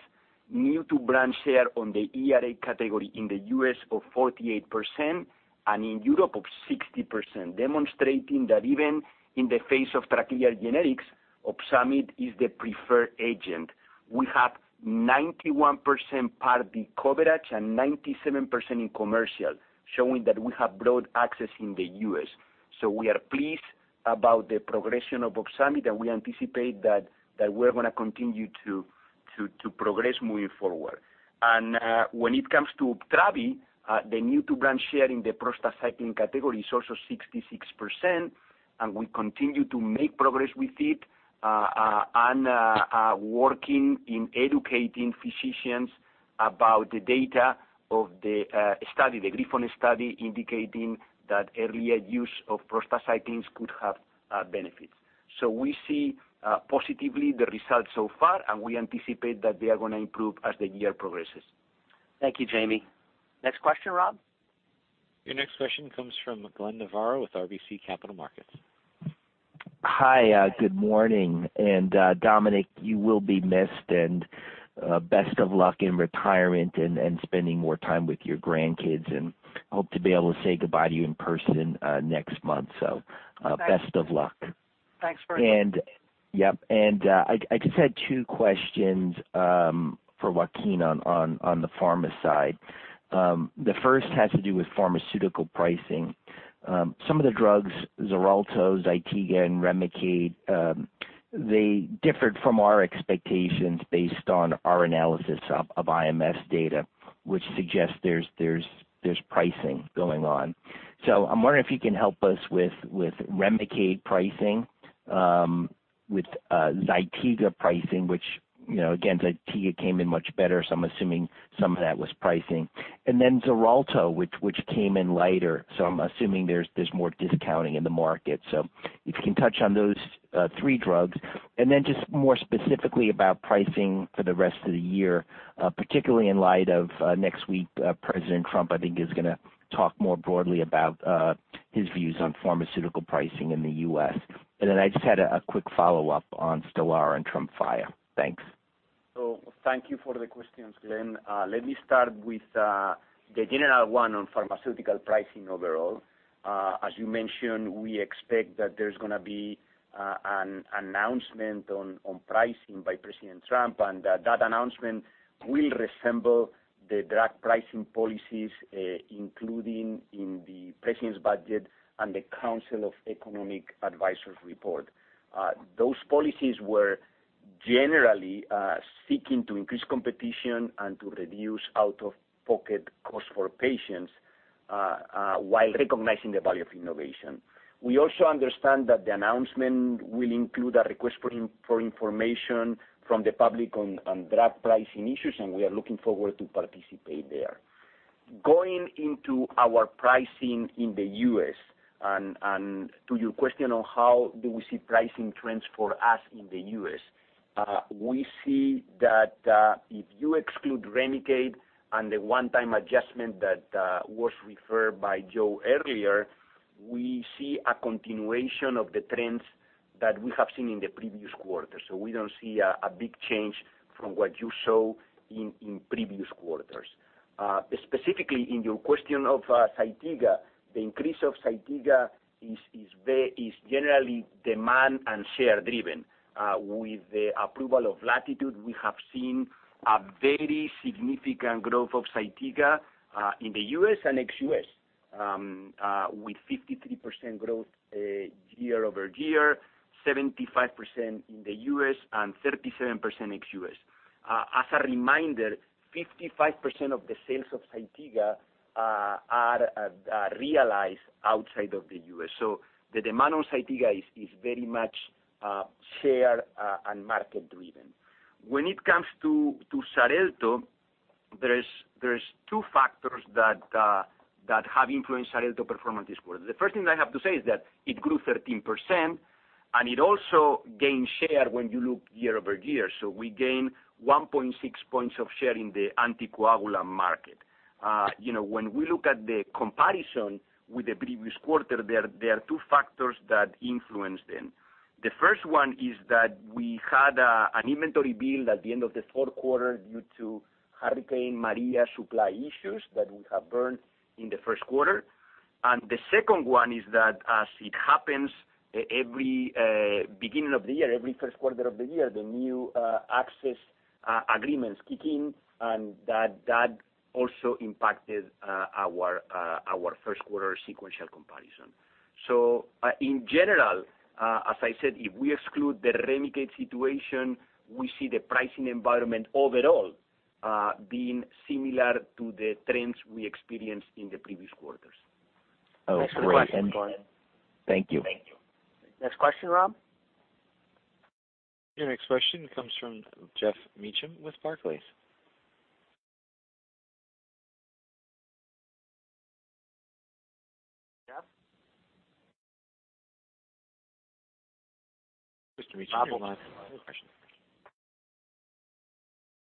new to brand share on the ERA category in the U.S. of 48% and in Europe of 60%, demonstrating that even in the face of TRACLEER generics, OPSUMIT is the preferred agent. We have 91% Part D coverage and 97% in commercial, showing that we have broad access in the U.S. We are pleased about the progression of OPSUMIT, and we anticipate that we're going to continue to progress moving forward. When it comes to UPTRAVI, the new to brand share in the prostacyclin category is also 66%, and we continue to make progress with it and are working in educating physicians about the data of the study, the GRIPHON study, indicating that earlier use of prostacyclin could have benefits. We see positively the results so far, and we anticipate that they are going to improve as the year progresses. Thank you, Jami. Next question, Bob. Your next question comes from Glenn Novarro with RBC Capital Markets. Hi, good morning. Dominic, you will be missed, and best of luck in retirement and spending more time with your grandkids. Hope to be able to say goodbye to you in person next month. Best of luck. Thanks very much. Yep. I just had two questions for Joaquin on the pharma side. The first has to do with pharmaceutical pricing. Some of the drugs, XARELTO, ZYTIGA, and REMICADE, they differed from our expectations based on our analysis of IMS data, which suggests there's pricing going on. I'm wondering if you can help us with REMICADE pricing, with ZYTIGA pricing, which again, ZYTIGA came in much better, so I'm assuming some of that was pricing. XARELTO, which came in lighter, so I'm assuming there's more discounting in the market. If you can touch on those three drugs. Just more specifically about pricing for the rest of the year, particularly in light of next week, President Trump, I think, is going to talk more broadly about his views on pharmaceutical pricing in the U.S. I just had a quick follow-up on STELARA and TREMFYA. Thanks. Thank you for the questions, Glenn. Let me start with the general one on pharmaceutical pricing overall. As you mentioned, we expect that there's going to be an announcement on pricing by President Trump, and that announcement will resemble the drug pricing policies included in the President's budget and the Council of Economic Advisors report. Those policies were generally seeking to increase competition and to reduce out-of-pocket costs for patients while recognizing the value of innovation. We also understand that the announcement will include a request for information from the public on drug pricing issues, and we are looking forward to participate there. Going into our pricing in the U.S., and to your question on how do we see pricing trends for us in the U.S., we see that if you exclude REMICADE and the one-time adjustment that was referred by Joe earlier, we see a continuation of the trends that we have seen in the previous quarter. We don't see a big change from what you saw in previous quarters. Specifically, in your question of ZYTIGA, the increase of ZYTIGA is generally demand and share-driven. With the approval of LATITUDE, we have seen a very significant growth of ZYTIGA in the U.S. and ex-U.S. With 53% growth year-over-year, 75% in the U.S., and 37% ex-U.S. As a reminder, 55% of the sales of ZYTIGA are realized outside of the U.S. The demand on ZYTIGA is very much shared and market-driven. When it comes to XARELTO, there's two factors that have influenced XARELTO performance this quarter. The first thing I have to say is that it grew 13%, and it also gained share when you look year-over-year. We gained 1.6 points of share in the anticoagulant market. When we look at the comparison with the previous quarter, there are two factors that influenced them. The first one is that we had an inventory build at the end of the fourth quarter due to Hurricane Maria supply issues that we have burned in the first quarter. The second one is that as it happens every beginning of the year, every first quarter of the year, the new access agreements kick in, and that also impacted our first-quarter sequential comparison. In general, as I said, if we exclude the REMICADE situation, we see the pricing environment overall being similar to the trends we experienced in the previous quarters. Great. Next question. Thank you. Thank you. Next question, Rob? Your next question comes from Geoff Meacham with Barclays. Mr. Meacham, you're on.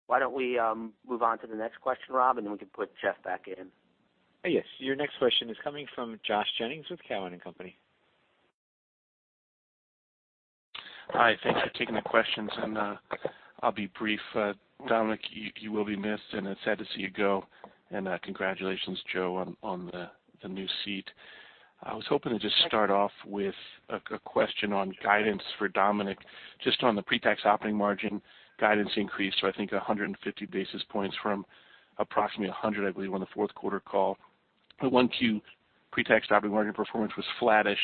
Why don't we move on to the next question, Rob, and then we can put Jeff back in. Yes. Your next question is coming from Josh Jennings with Cowen and Company. Hi. Thanks for taking the questions. I'll be brief. Dominic, you will be missed, and it's sad to see you go. Congratulations, Joe, on the new seat. I was hoping to just start off with a question on guidance for Dominic, just on the pre-tax operating margin guidance increase. I think 150 basis points from approximately 100, I believe, on the fourth quarter call. The 1Q pre-tax operating margin performance was flattish.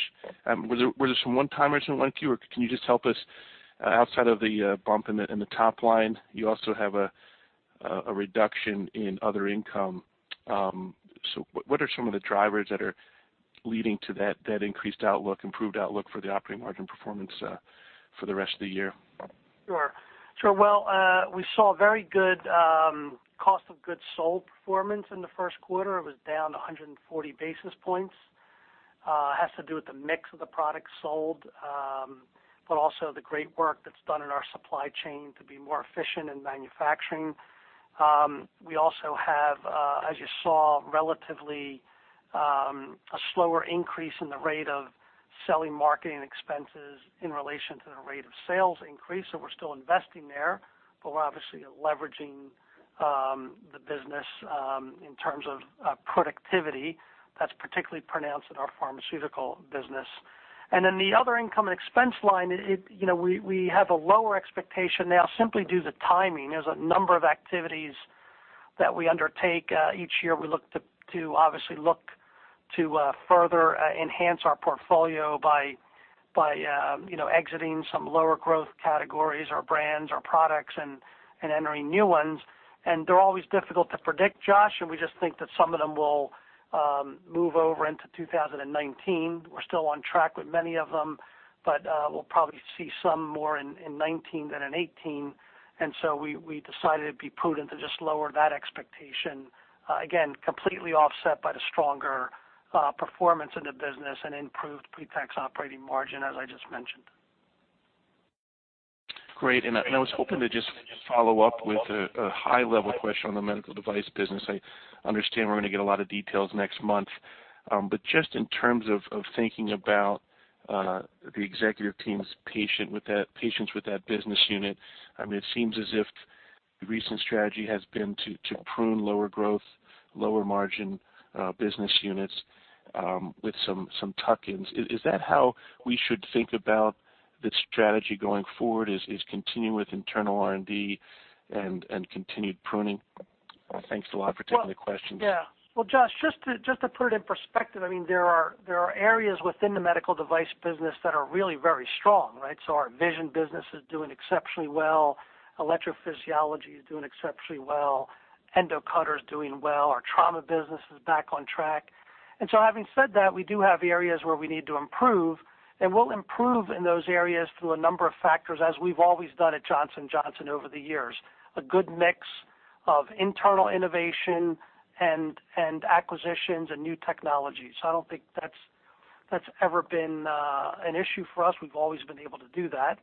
Was this from one-time or 1Q, or can you just help us outside of the bump in the top line? You also have a reduction in other income. What are some of the drivers that are leading to that increased outlook, improved outlook for the operating margin performance for the rest of the year? Sure. We saw very good cost of goods sold performance in the first quarter. It was down 140 basis points. Has to do with the mix of the products sold, but also the great work that's done in our supply chain to be more efficient in manufacturing. We also have, as you saw, relatively a slower increase in the rate of selling marketing expenses in relation to the rate of sales increase. We're still investing there, but we're obviously leveraging the business in terms of productivity. That's particularly pronounced in our pharmaceutical business. The other income and expense line, we have a lower expectation now simply due to timing. There's a number of activities that we undertake each year. We look to obviously further enhance our portfolio by exiting some lower growth categories or brands or products and entering new ones. They're always difficult to predict, Josh, and we just think that some of them will move over into 2019. We're still on track with many of them, but we'll probably see some more in 2019 than in 2018. We decided it'd be prudent to just lower that expectation. Again, completely offset by the stronger performance in the business and improved pre-tax operating margin, as I just mentioned. Great. I was hoping to just follow up with a high-level question on the medical device business. I understand we're going to get a lot of details next month. Just in terms of thinking about the executive team's patience with that business unit, it seems as if the recent strategy has been to prune lower growth, lower margin business units with some tuck-ins. Is that how we should think about the strategy going forward, is continue with internal R&D and continued pruning? Thanks a lot for taking the questions. Well, Josh, just to put it in perspective, there are areas within the medical device business that are really very strong, right? Our vision business is doing exceptionally well. Electrophysiology is doing exceptionally well. EndoCutter is doing well. Our trauma business is back on track. Having said that, we do have areas where we need to improve, and we'll improve in those areas through a number of factors as we've always done at Johnson & Johnson over the years. A good mix of internal innovation and acquisitions and new technologies. I don't think that's ever been an issue for us. We've always been able to do that.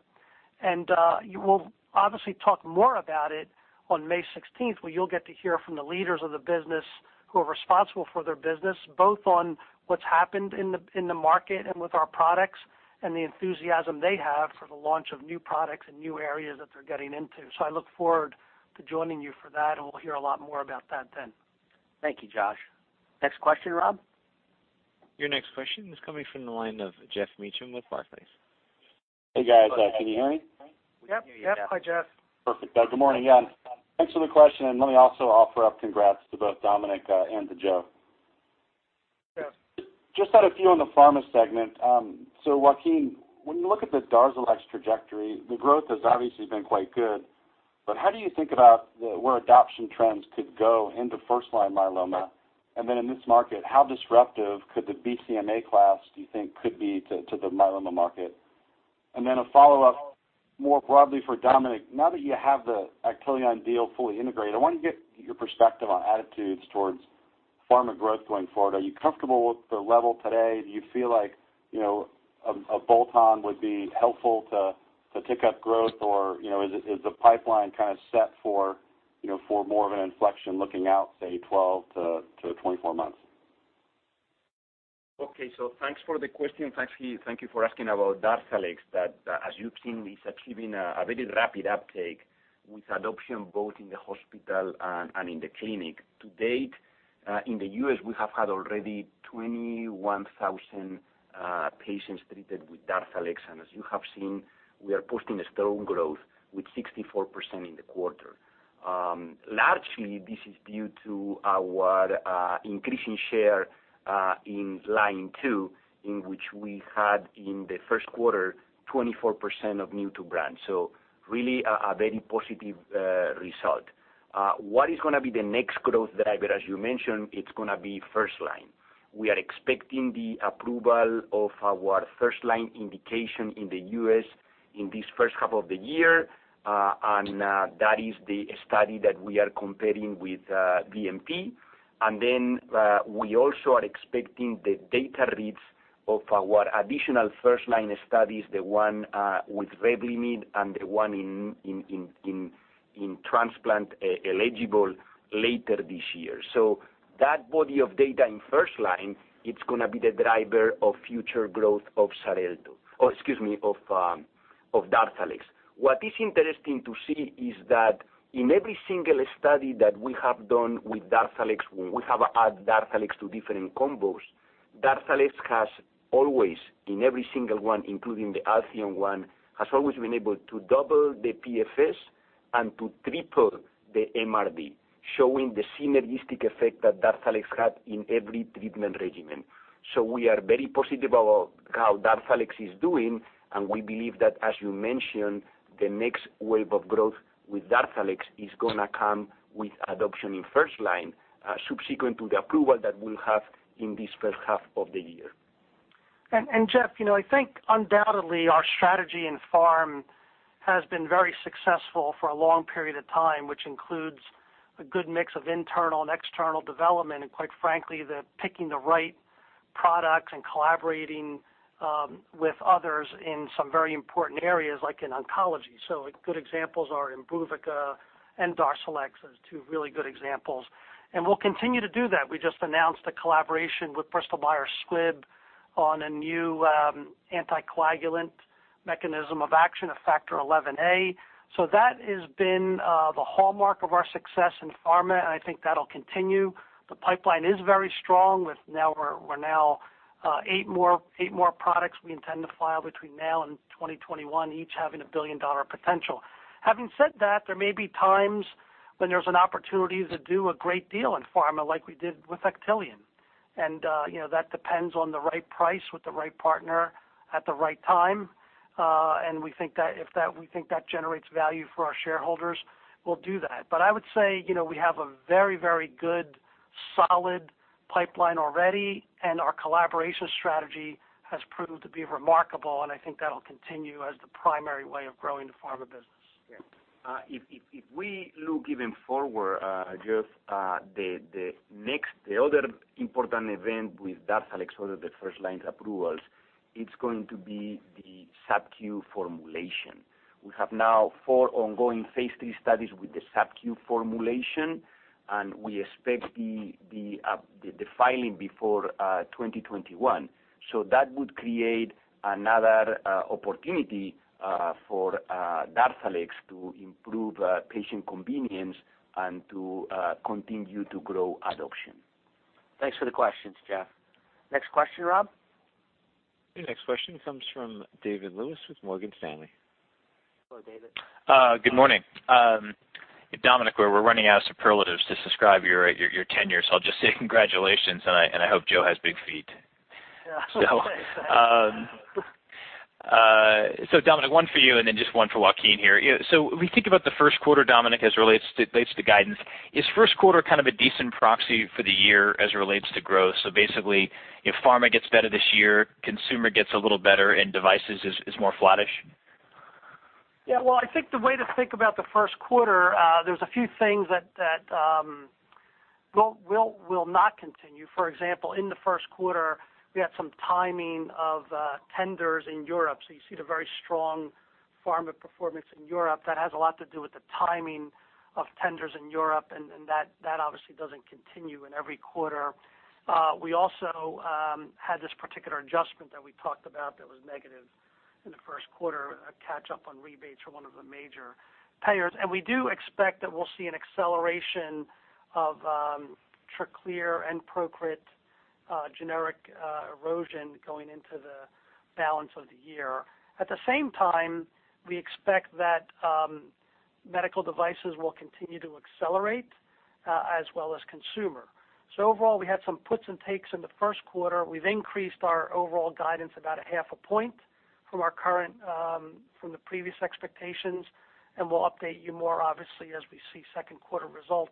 We'll obviously talk more about it on May 16th, where you'll get to hear from the leaders of the business who are responsible for their business, both on what's happened in the market and with our products and the enthusiasm they have for the launch of new products and new areas that they're getting into. I look forward to joining you for that, we'll hear a lot more about that then. Thank you, Josh. Next question, Bob. Your next question is coming from the line of Geoff Meacham with Barclays. Hey guys, can you hear me? Yep. Hi, Geoff. Perfect. Good morning. Thanks for the question. Let me also offer up congrats to both Dominic and to Joe. Yeah. Just had a few on the pharma segment. Joaquin Duato, when you look at the DARZALEX trajectory, the growth has obviously been quite good, but how do you think about where adoption trends could go into first-line myeloma? In this market, how disruptive could the BCMA class, do you think, could be to the myeloma market? A follow-up more broadly for Dominic Caruso. Now that you have the Actelion deal fully integrated, I want to get your perspective on attitudes towards pharma growth going forward. Are you comfortable with the level today? Do you feel like a bolt-on would be helpful to tick up growth, or is the pipeline kind of set for more of an inflection looking out, say, 12-24 months? Okay. Thanks for the question. Thank you for asking about DARZALEX, that as you've seen, is achieving a very rapid uptake with adoption both in the hospital and in the clinic. To date, in the U.S., we have had already 21,000 patients treated with DARZALEX, and as you have seen, we are posting a strong growth with 64% in the quarter. Largely, this is due to our increasing share in line 2, in which we had in the first quarter 24% of new to brand. Really a very positive result. What is going to be the next growth driver? As you mentioned, it's going to be first-line. We are expecting the approval of our first-line indication in the U.S. in this first half of the year. That is the study that we are comparing with VMP. We also are expecting the data reads of our additional first-line studies, the one with Revlimid and the one in transplant eligible later this year. That body of data in first-line, it's going to be the driver of future growth of DARZALEX. What is interesting to see is that in every single study that we have done with DARZALEX, when we have had DARZALEX to different combos, DARZALEX has always, in every single one, including the ALCYONE one, has always been able to double the PFS and to triple the MRD, showing the synergistic effect that DARZALEX had in every treatment regimen. We are very positive about how DARZALEX is doing, and we believe that, as you mentioned, the next wave of growth with DARZALEX is going to come with adoption in first-line, subsequent to the approval that we'll have in this first half of the year. Jeff, I think undoubtedly our strategy in pharm has been very successful for a long period of time, which includes a good mix of internal and external development, and quite frankly, the picking the right products and collaborating with others in some very important areas, like in oncology. Good examples are IMBRUVICA and DARZALEX as two really good examples. We'll continue to do that. We just announced a collaboration with Bristol-Myers Squibb on a new anticoagulant mechanism of action of Factor XIa. That has been the hallmark of our success in pharma, and I think that'll continue. The pipeline is very strong with now eight more products we intend to file between now and 2021, each having a billion-dollar potential. Having said that, there may be times when there's an opportunity to do a great deal in pharma like we did with Actelion. That depends on the right price with the right partner at the right time. We think that generates value for our shareholders, we'll do that. I would say, we have a very good, solid pipeline already, and our collaboration strategy has proved to be remarkable, and I think that'll continue as the primary way of growing the pharma business. Yeah. If we look even forward, Jeff, the other important event with DARZALEX other than first-line approvals, it's going to be the subcu formulation. We have now four ongoing phase III studies with the subcu formulation, and we expect the filing before 2021. That would create another opportunity for DARZALEX to improve patient convenience and to continue to grow adoption. Thanks for the questions, Jeff. Next question, Bob. The next question comes from David Lewis with Morgan Stanley. Hello, David. Good morning. Dominic, we're running out of superlatives to describe your tenure, I'll just say congratulations, and I hope Joe has big feet. Dominic, one for you and then just one for Joaquin here. When we think about the first quarter, Dominic, as it relates to guidance, is first quarter kind of a decent proxy for the year as it relates to growth? Basically, if pharma gets better this year, consumer gets a little better, and devices is more flattish? Yeah. Well, I think the way to think about the first quarter, there's a few things that will not continue. For example, in the first quarter, we had some timing of tenders in Europe. You see the very strong pharma performance in Europe. That has a lot to do with the timing of tenders in Europe, and that obviously doesn't continue in every quarter. We also had this particular adjustment that we talked about that was negative in the first quarter, a catch up on rebates for one of the major payers. We do expect that we'll see an acceleration of TRACLEER and PROCRIT Generic erosion going into the balance of the year. At the same time, we expect that medical devices will continue to accelerate as well as consumer. Overall, we had some puts and takes in the first quarter. We've increased our overall guidance about a half a point from the previous expectations, and we'll update you more obviously as we see second-quarter results.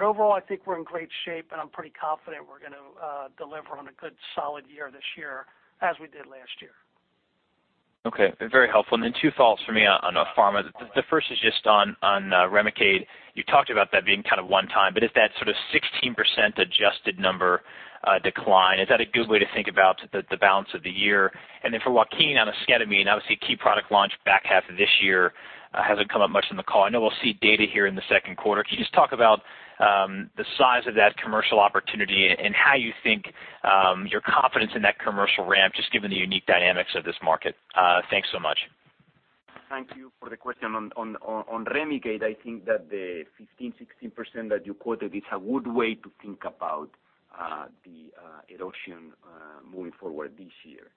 Overall, I think we're in great shape, and I'm pretty confident we're going to deliver on a good solid year this year as we did last year. Very helpful. Two thoughts for me on pharma. The first is just on REMICADE. You talked about that being one time, but is that 16% adjusted number decline, is that a good way to think about the balance of the year? For Joaquin on esketamine, obviously, a key product launch back half of this year hasn't come up much in the call. I know we'll see data here in the second quarter. Can you just talk about the size of that commercial opportunity and how you think your confidence in that commercial ramp, just given the unique dynamics of this market? Thanks so much. Thank you for the question. On REMICADE, I think that the 15%, 16% that you quoted is a good way to think about the erosion moving forward this year.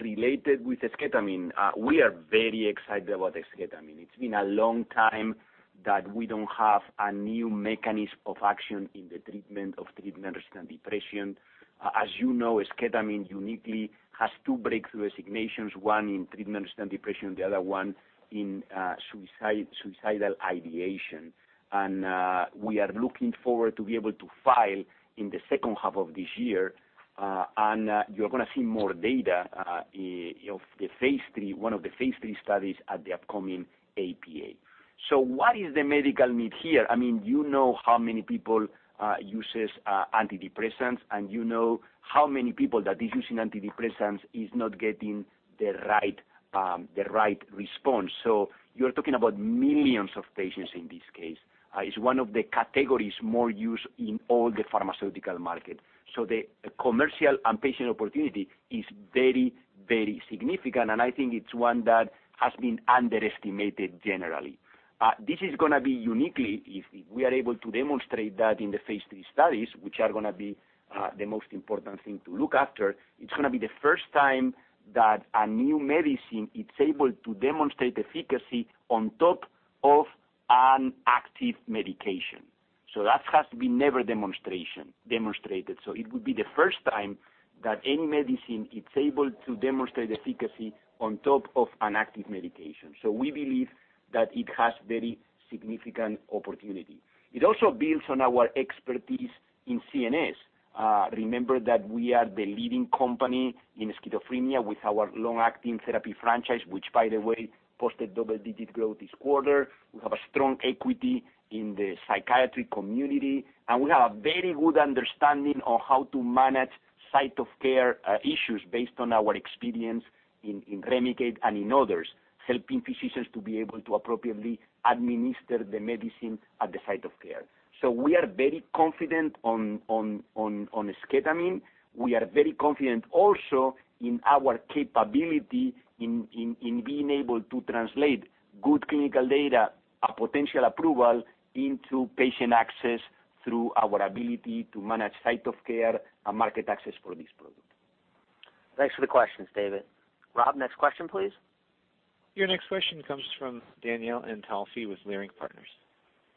Related with esketamine we are very excited about esketamine. It's been a long time that we don't have a new mechanism of action in the treatment of treatment-resistant depression. As you know, esketamine uniquely has two breakthrough assignations, one in treatment-resistant depression, the other one in suicidal ideation. We are looking forward to be able to file in the second half of this year. You're going to see more data of one of the phase III studies at the upcoming APA. What is the medical need here? You know how many people uses antidepressants, you know how many people that is using antidepressants is not getting the right response. You're talking about millions of patients in this case. It's one of the categories more used in all the pharmaceutical market. The commercial and patient opportunity is very, very significant, and I think it's one that has been underestimated generally. This is going to be uniquely, if we are able to demonstrate that in the phase III studies, which are going to be the most important thing to look after, it's going to be the first time that a new medicine is able to demonstrate efficacy on top of an active medication. That has to be never demonstrated. It would be the first time that any medicine is able to demonstrate efficacy on top of an active medication. We believe that it has very significant opportunity. It also builds on our expertise in CNS. Remember that we are the leading company in schizophrenia with our long-acting therapy franchise, which by the way, posted double-digit growth this quarter. We have a strong equity in the psychiatry community, and we have a very good understanding on how to manage site of care issues based on our experience in REMICADE and in others, helping physicians to be able to appropriately administer the medicine at the site of care. We are very confident on esketamine. We are very confident also in our capability in being able to translate good clinical data, a potential approval into patient access through our ability to manage site of care and market access for this product. Thanks for the questions, David. Rob, next question, please. Your next question comes from Danielle Antalffy with Leerink Partners.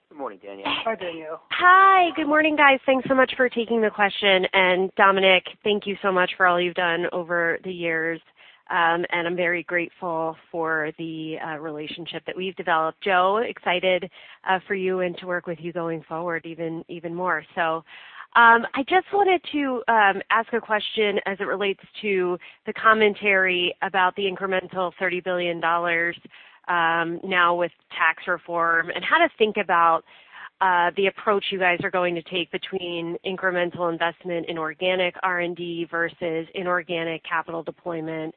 Good morning, Danielle. Hi, Danielle. Hi. Good morning, guys. Thanks so much for taking the question. Dominic, thank you so much for all you've done over the years. I'm very grateful for the relationship that we've developed. Joe, excited for you and to work with you going forward even more so. I just wanted to ask a question as it relates to the commentary about the incremental $30 billion now with tax reform, and how to think about the approach you guys are going to take between incremental investment in organic R&D versus inorganic capital deployment.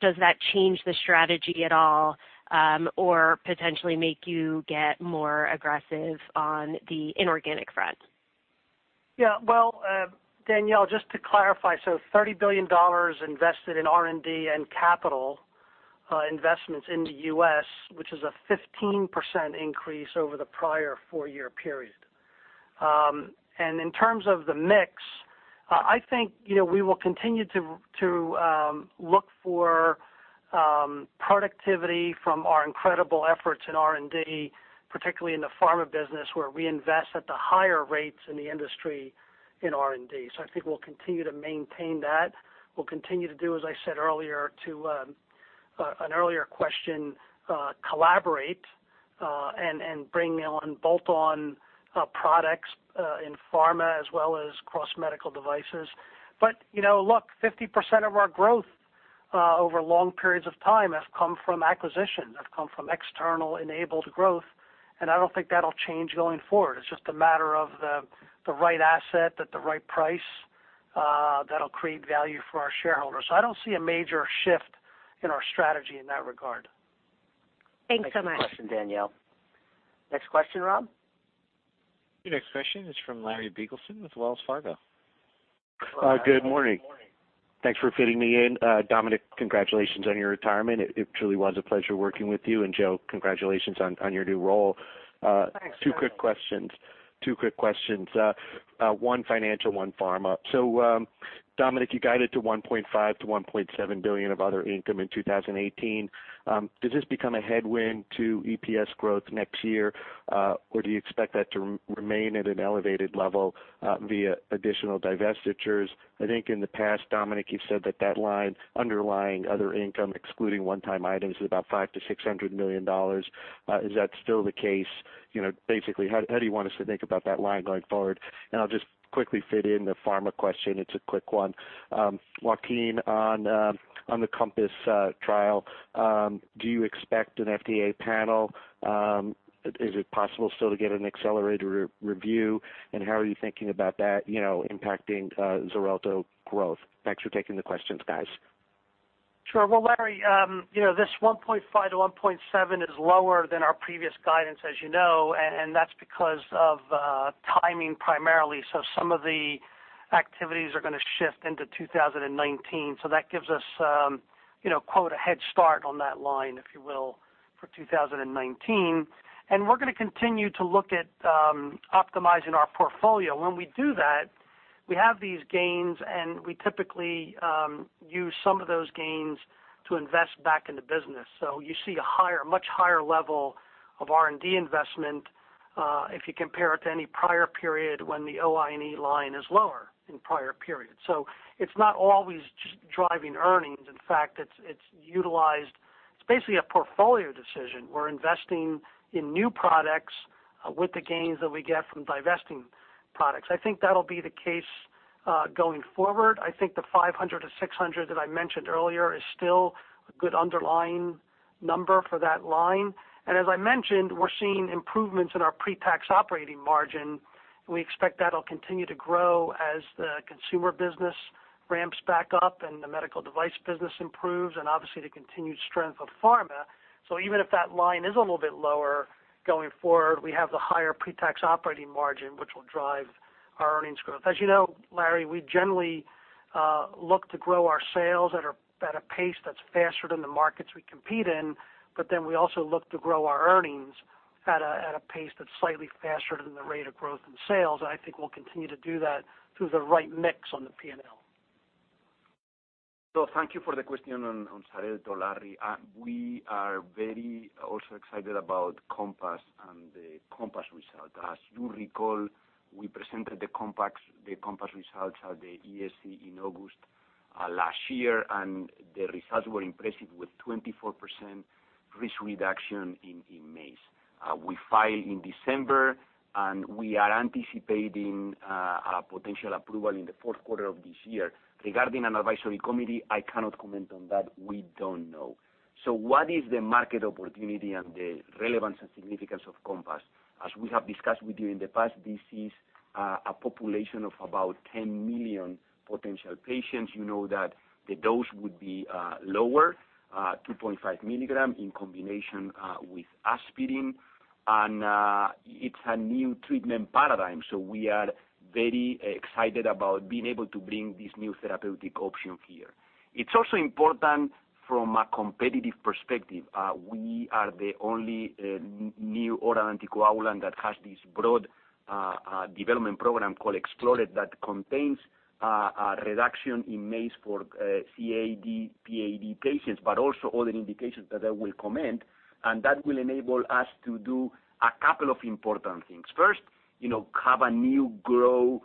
Does that change the strategy at all or potentially make you get more aggressive on the inorganic front? Well, Danielle, just to clarify, $30 billion invested in R&D and capital investments in the U.S., which is a 15% increase over the prior four-year period. In terms of the mix, I think we will continue to look for productivity from our incredible efforts in R&D, particularly in the pharma business, where we invest at the higher rates in the industry in R&D. I think we'll continue to maintain that. We'll continue to do, as I said earlier to an earlier question, collaborate and bring on bolt-on products in pharma as well as cross medical devices. Look, 50% of our growth over long periods of time have come from acquisition, have come from external-enabled growth, and I don't think that'll change going forward. It's just a matter of the right asset at the right price that'll create value for our shareholders. I don't see a major shift in our strategy in that regard. Thanks so much. Thank you for the question, Danielle. Next question, Rob. Your next question is from Larry Biegelsen with Wells Fargo. Good morning. Thanks for fitting me in. Dominic, congratulations on your retirement. It truly was a pleasure working with you, and Joe, congratulations on your new role. Thanks, Larry. Two quick questions. One financial, one pharma. Dominic, you guided to $1.5 billion to $1.7 billion of other income in 2018. Does this become a headwind to EPS growth next year? Or do you expect that to remain at an elevated level via additional divestitures? I think in the past, Dominic, you've said that that line underlying other income, excluding one-time items, is about $500 million to $600 million. Is that still the case? Basically, how do you want us to think about that line going forward? I'll just quickly fit in the pharma question. It's a quick one. Joaquin, on the COMPASS trial, do you expect an FDA panel? Is it possible still to get an accelerated review? How are you thinking about that impacting XARELTO growth? Thanks for taking the questions, guys. Sure. Well, Larry, this $1.5 billion to $1.7 billion is lower than our previous guidance, as you know, and that's because of timing, primarily. Some of the activities are going to shift into 2019. That gives us "a head start" on that line, if you will, for 2019. We're going to continue to look at optimizing our portfolio. When we do that, we have these gains, and we typically use some of those gains to invest back in the business. You see a much higher level of R&D investment, if you compare it to any prior period when the OI&E line is lower in prior periods. It's not always just driving earnings. In fact, it's basically a portfolio decision. We're investing in new products with the gains that we get from divesting products. I think that'll be the case going forward. I think the $500 million to $600 million that I mentioned earlier is still a good underlying number for that line. As I mentioned, we're seeing improvements in our pre-tax operating margin. We expect that'll continue to grow as the consumer business ramps back up and the medical device business improves and obviously the continued strength of pharma. Even if that line is a little bit lower going forward, we have the higher pre-tax operating margin, which will drive our earnings growth. As you know, Larry, we generally look to grow our sales at a pace that's faster than the markets we compete in, but then we also look to grow our earnings at a pace that's slightly faster than the rate of growth in sales, and I think we'll continue to do that through the right mix on the P&L. Thank you for the question on XARELTO, Larry. We are very also excited about COMPASS and the COMPASS result. As you recall, we presented the COMPASS results at the ESC in August last year, and the results were impressive with 24% risk reduction in MACE. We filed in December, and we are anticipating a potential approval in the fourth quarter of this year. Regarding an advisory committee, I cannot comment on that. We don't know. What is the market opportunity and the relevance and significance of COMPASS? As we have discussed with you in the past, this is a population of about 10 million potential patients. You know that the dose would be lower, 2.5 milligram in combination with aspirin, and it's a new treatment paradigm. We are very excited about being able to bring this new therapeutic option here. It's also important from a competitive perspective. We are the only new oral anticoagulant that has this broad development program called EXPLORER that contains a reduction in MACE for CAD, PAD patients, but also other indications that I will comment, and that will enable us to do a couple of important things. First, have a new growth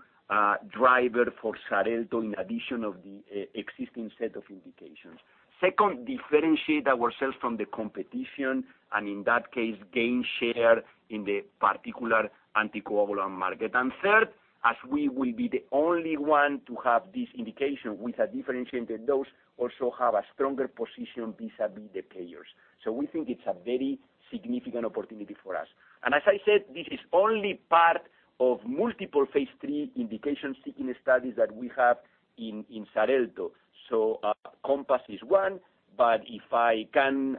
driver for XARELTO in addition of the existing set of indications. Second, differentiate ourselves from the competition, and in that case, gain share in the particular anticoagulant market. Third, as we will be the only one to have this indication with a differentiated dose, also have a stronger position vis-à-vis the payers. We think it's a very significant opportunity for us. As I said, this is only part of multiple phase III indication-seeking studies that we have in XARELTO. COMPASS is one, but if I can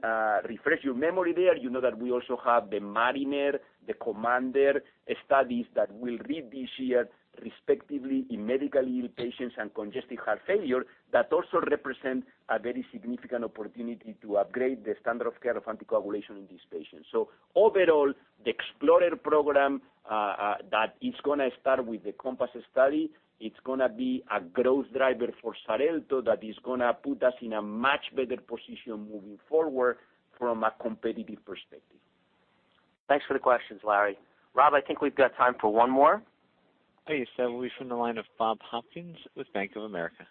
refresh your memory there, you know that we also have the MARINER, the COMMANDER studies that will read this year, respectively, in medical patients and congestive heart failure, that also represent a very significant opportunity to upgrade the standard of care of anticoagulation in these patients. Overall, the EXPLORER program that is going to start with the COMPASS study, it's going to be a growth driver for XARELTO that is going to put us in a much better position moving forward from a competitive perspective. Thanks for the questions, Larry. Rob, I think we've got time for one more. That will be from the line of Bob Hopkins with Bank of America.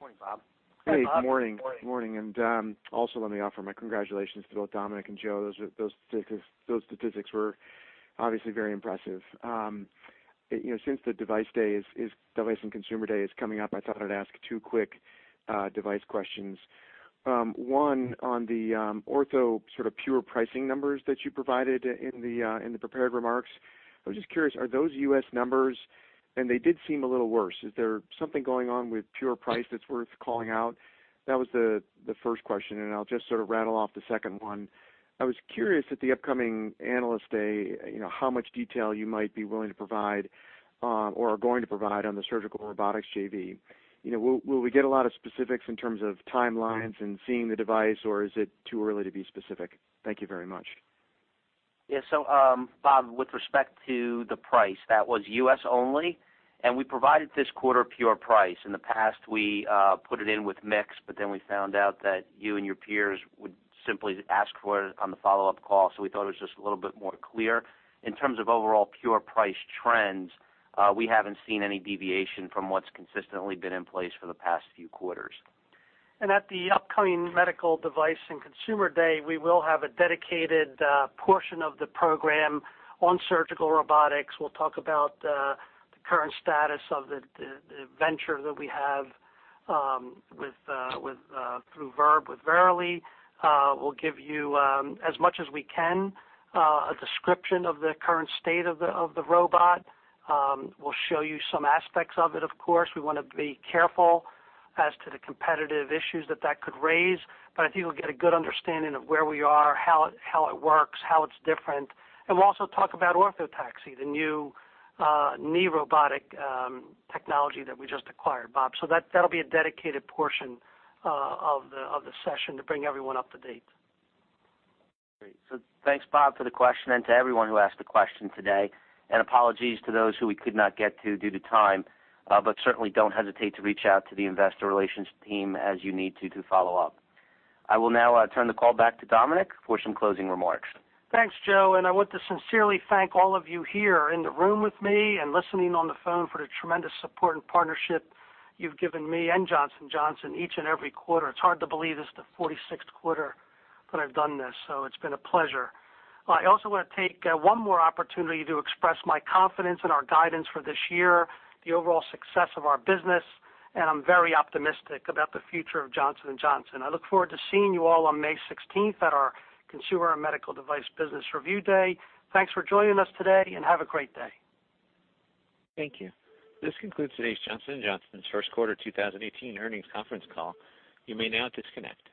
Morning, Bob. Hey, Bob. Morning. Morning. Also let me offer my congratulations to both Dominic and Joe. Those statistics were obviously very impressive. Since the Device and Consumer Day is coming up, I thought I'd ask two quick device questions. One, on the ortho sort of pure pricing numbers that you provided in the prepared remarks. I was just curious, are those U.S. numbers? They did seem a little worse. Is there something going on with pure price that's worth calling out? That was the first question, I'll just sort of rattle off the second one. I was curious at the upcoming Analyst Day, how much detail you might be willing to provide or are going to provide on the surgical robotics JV. Will we get a lot of specifics in terms of timelines and seeing the device, or is it too early to be specific? Thank you very much. Bob, with respect to the price, that was U.S. only. We provided this quarter pure price. In the past, we put it in with mix. We found out that you and your peers would simply ask for it on the follow-up call. We thought it was just a little bit more clear. In terms of overall pure price trends, we haven't seen any deviation from what's consistently been in place for the past few quarters. At the upcoming Medical Device and Consumer Day, we will have a dedicated portion of the program on surgical robotics. We'll talk about the current status of the venture that we have through Verb with Verily. We'll give you, as much as we can, a description of the current state of the robot. We'll show you some aspects of it, of course. We want to be careful as to the competitive issues that that could raise. I think we'll get a good understanding of where we are, how it works, how it's different. We'll also talk about Orthotaxy, the new knee robotic technology that we just acquired, Bob. That'll be a dedicated portion of the session to bring everyone up to date. Great. Thanks, Bob, for the question and to everyone who asked a question today, and apologies to those who we could not get to due to time. Certainly don't hesitate to reach out to the investor relations team as you need to follow up. I will now turn the call back to Dominic for some closing remarks. Thanks, Joe. I want to sincerely thank all of you here in the room with me and listening on the phone for the tremendous support and partnership you've given me and Johnson & Johnson each and every quarter. It's hard to believe this is the 46th quarter that I've done this. It's been a pleasure. I also want to take one more opportunity to express my confidence in our guidance for this year, the overall success of our business. I'm very optimistic about the future of Johnson & Johnson. I look forward to seeing you all on May 16th at our Consumer and Medical Device Business Review Day. Thanks for joining us today. Have a great day. Thank you. This concludes today's Johnson & Johnson first quarter 2018 earnings conference call. You may now disconnect.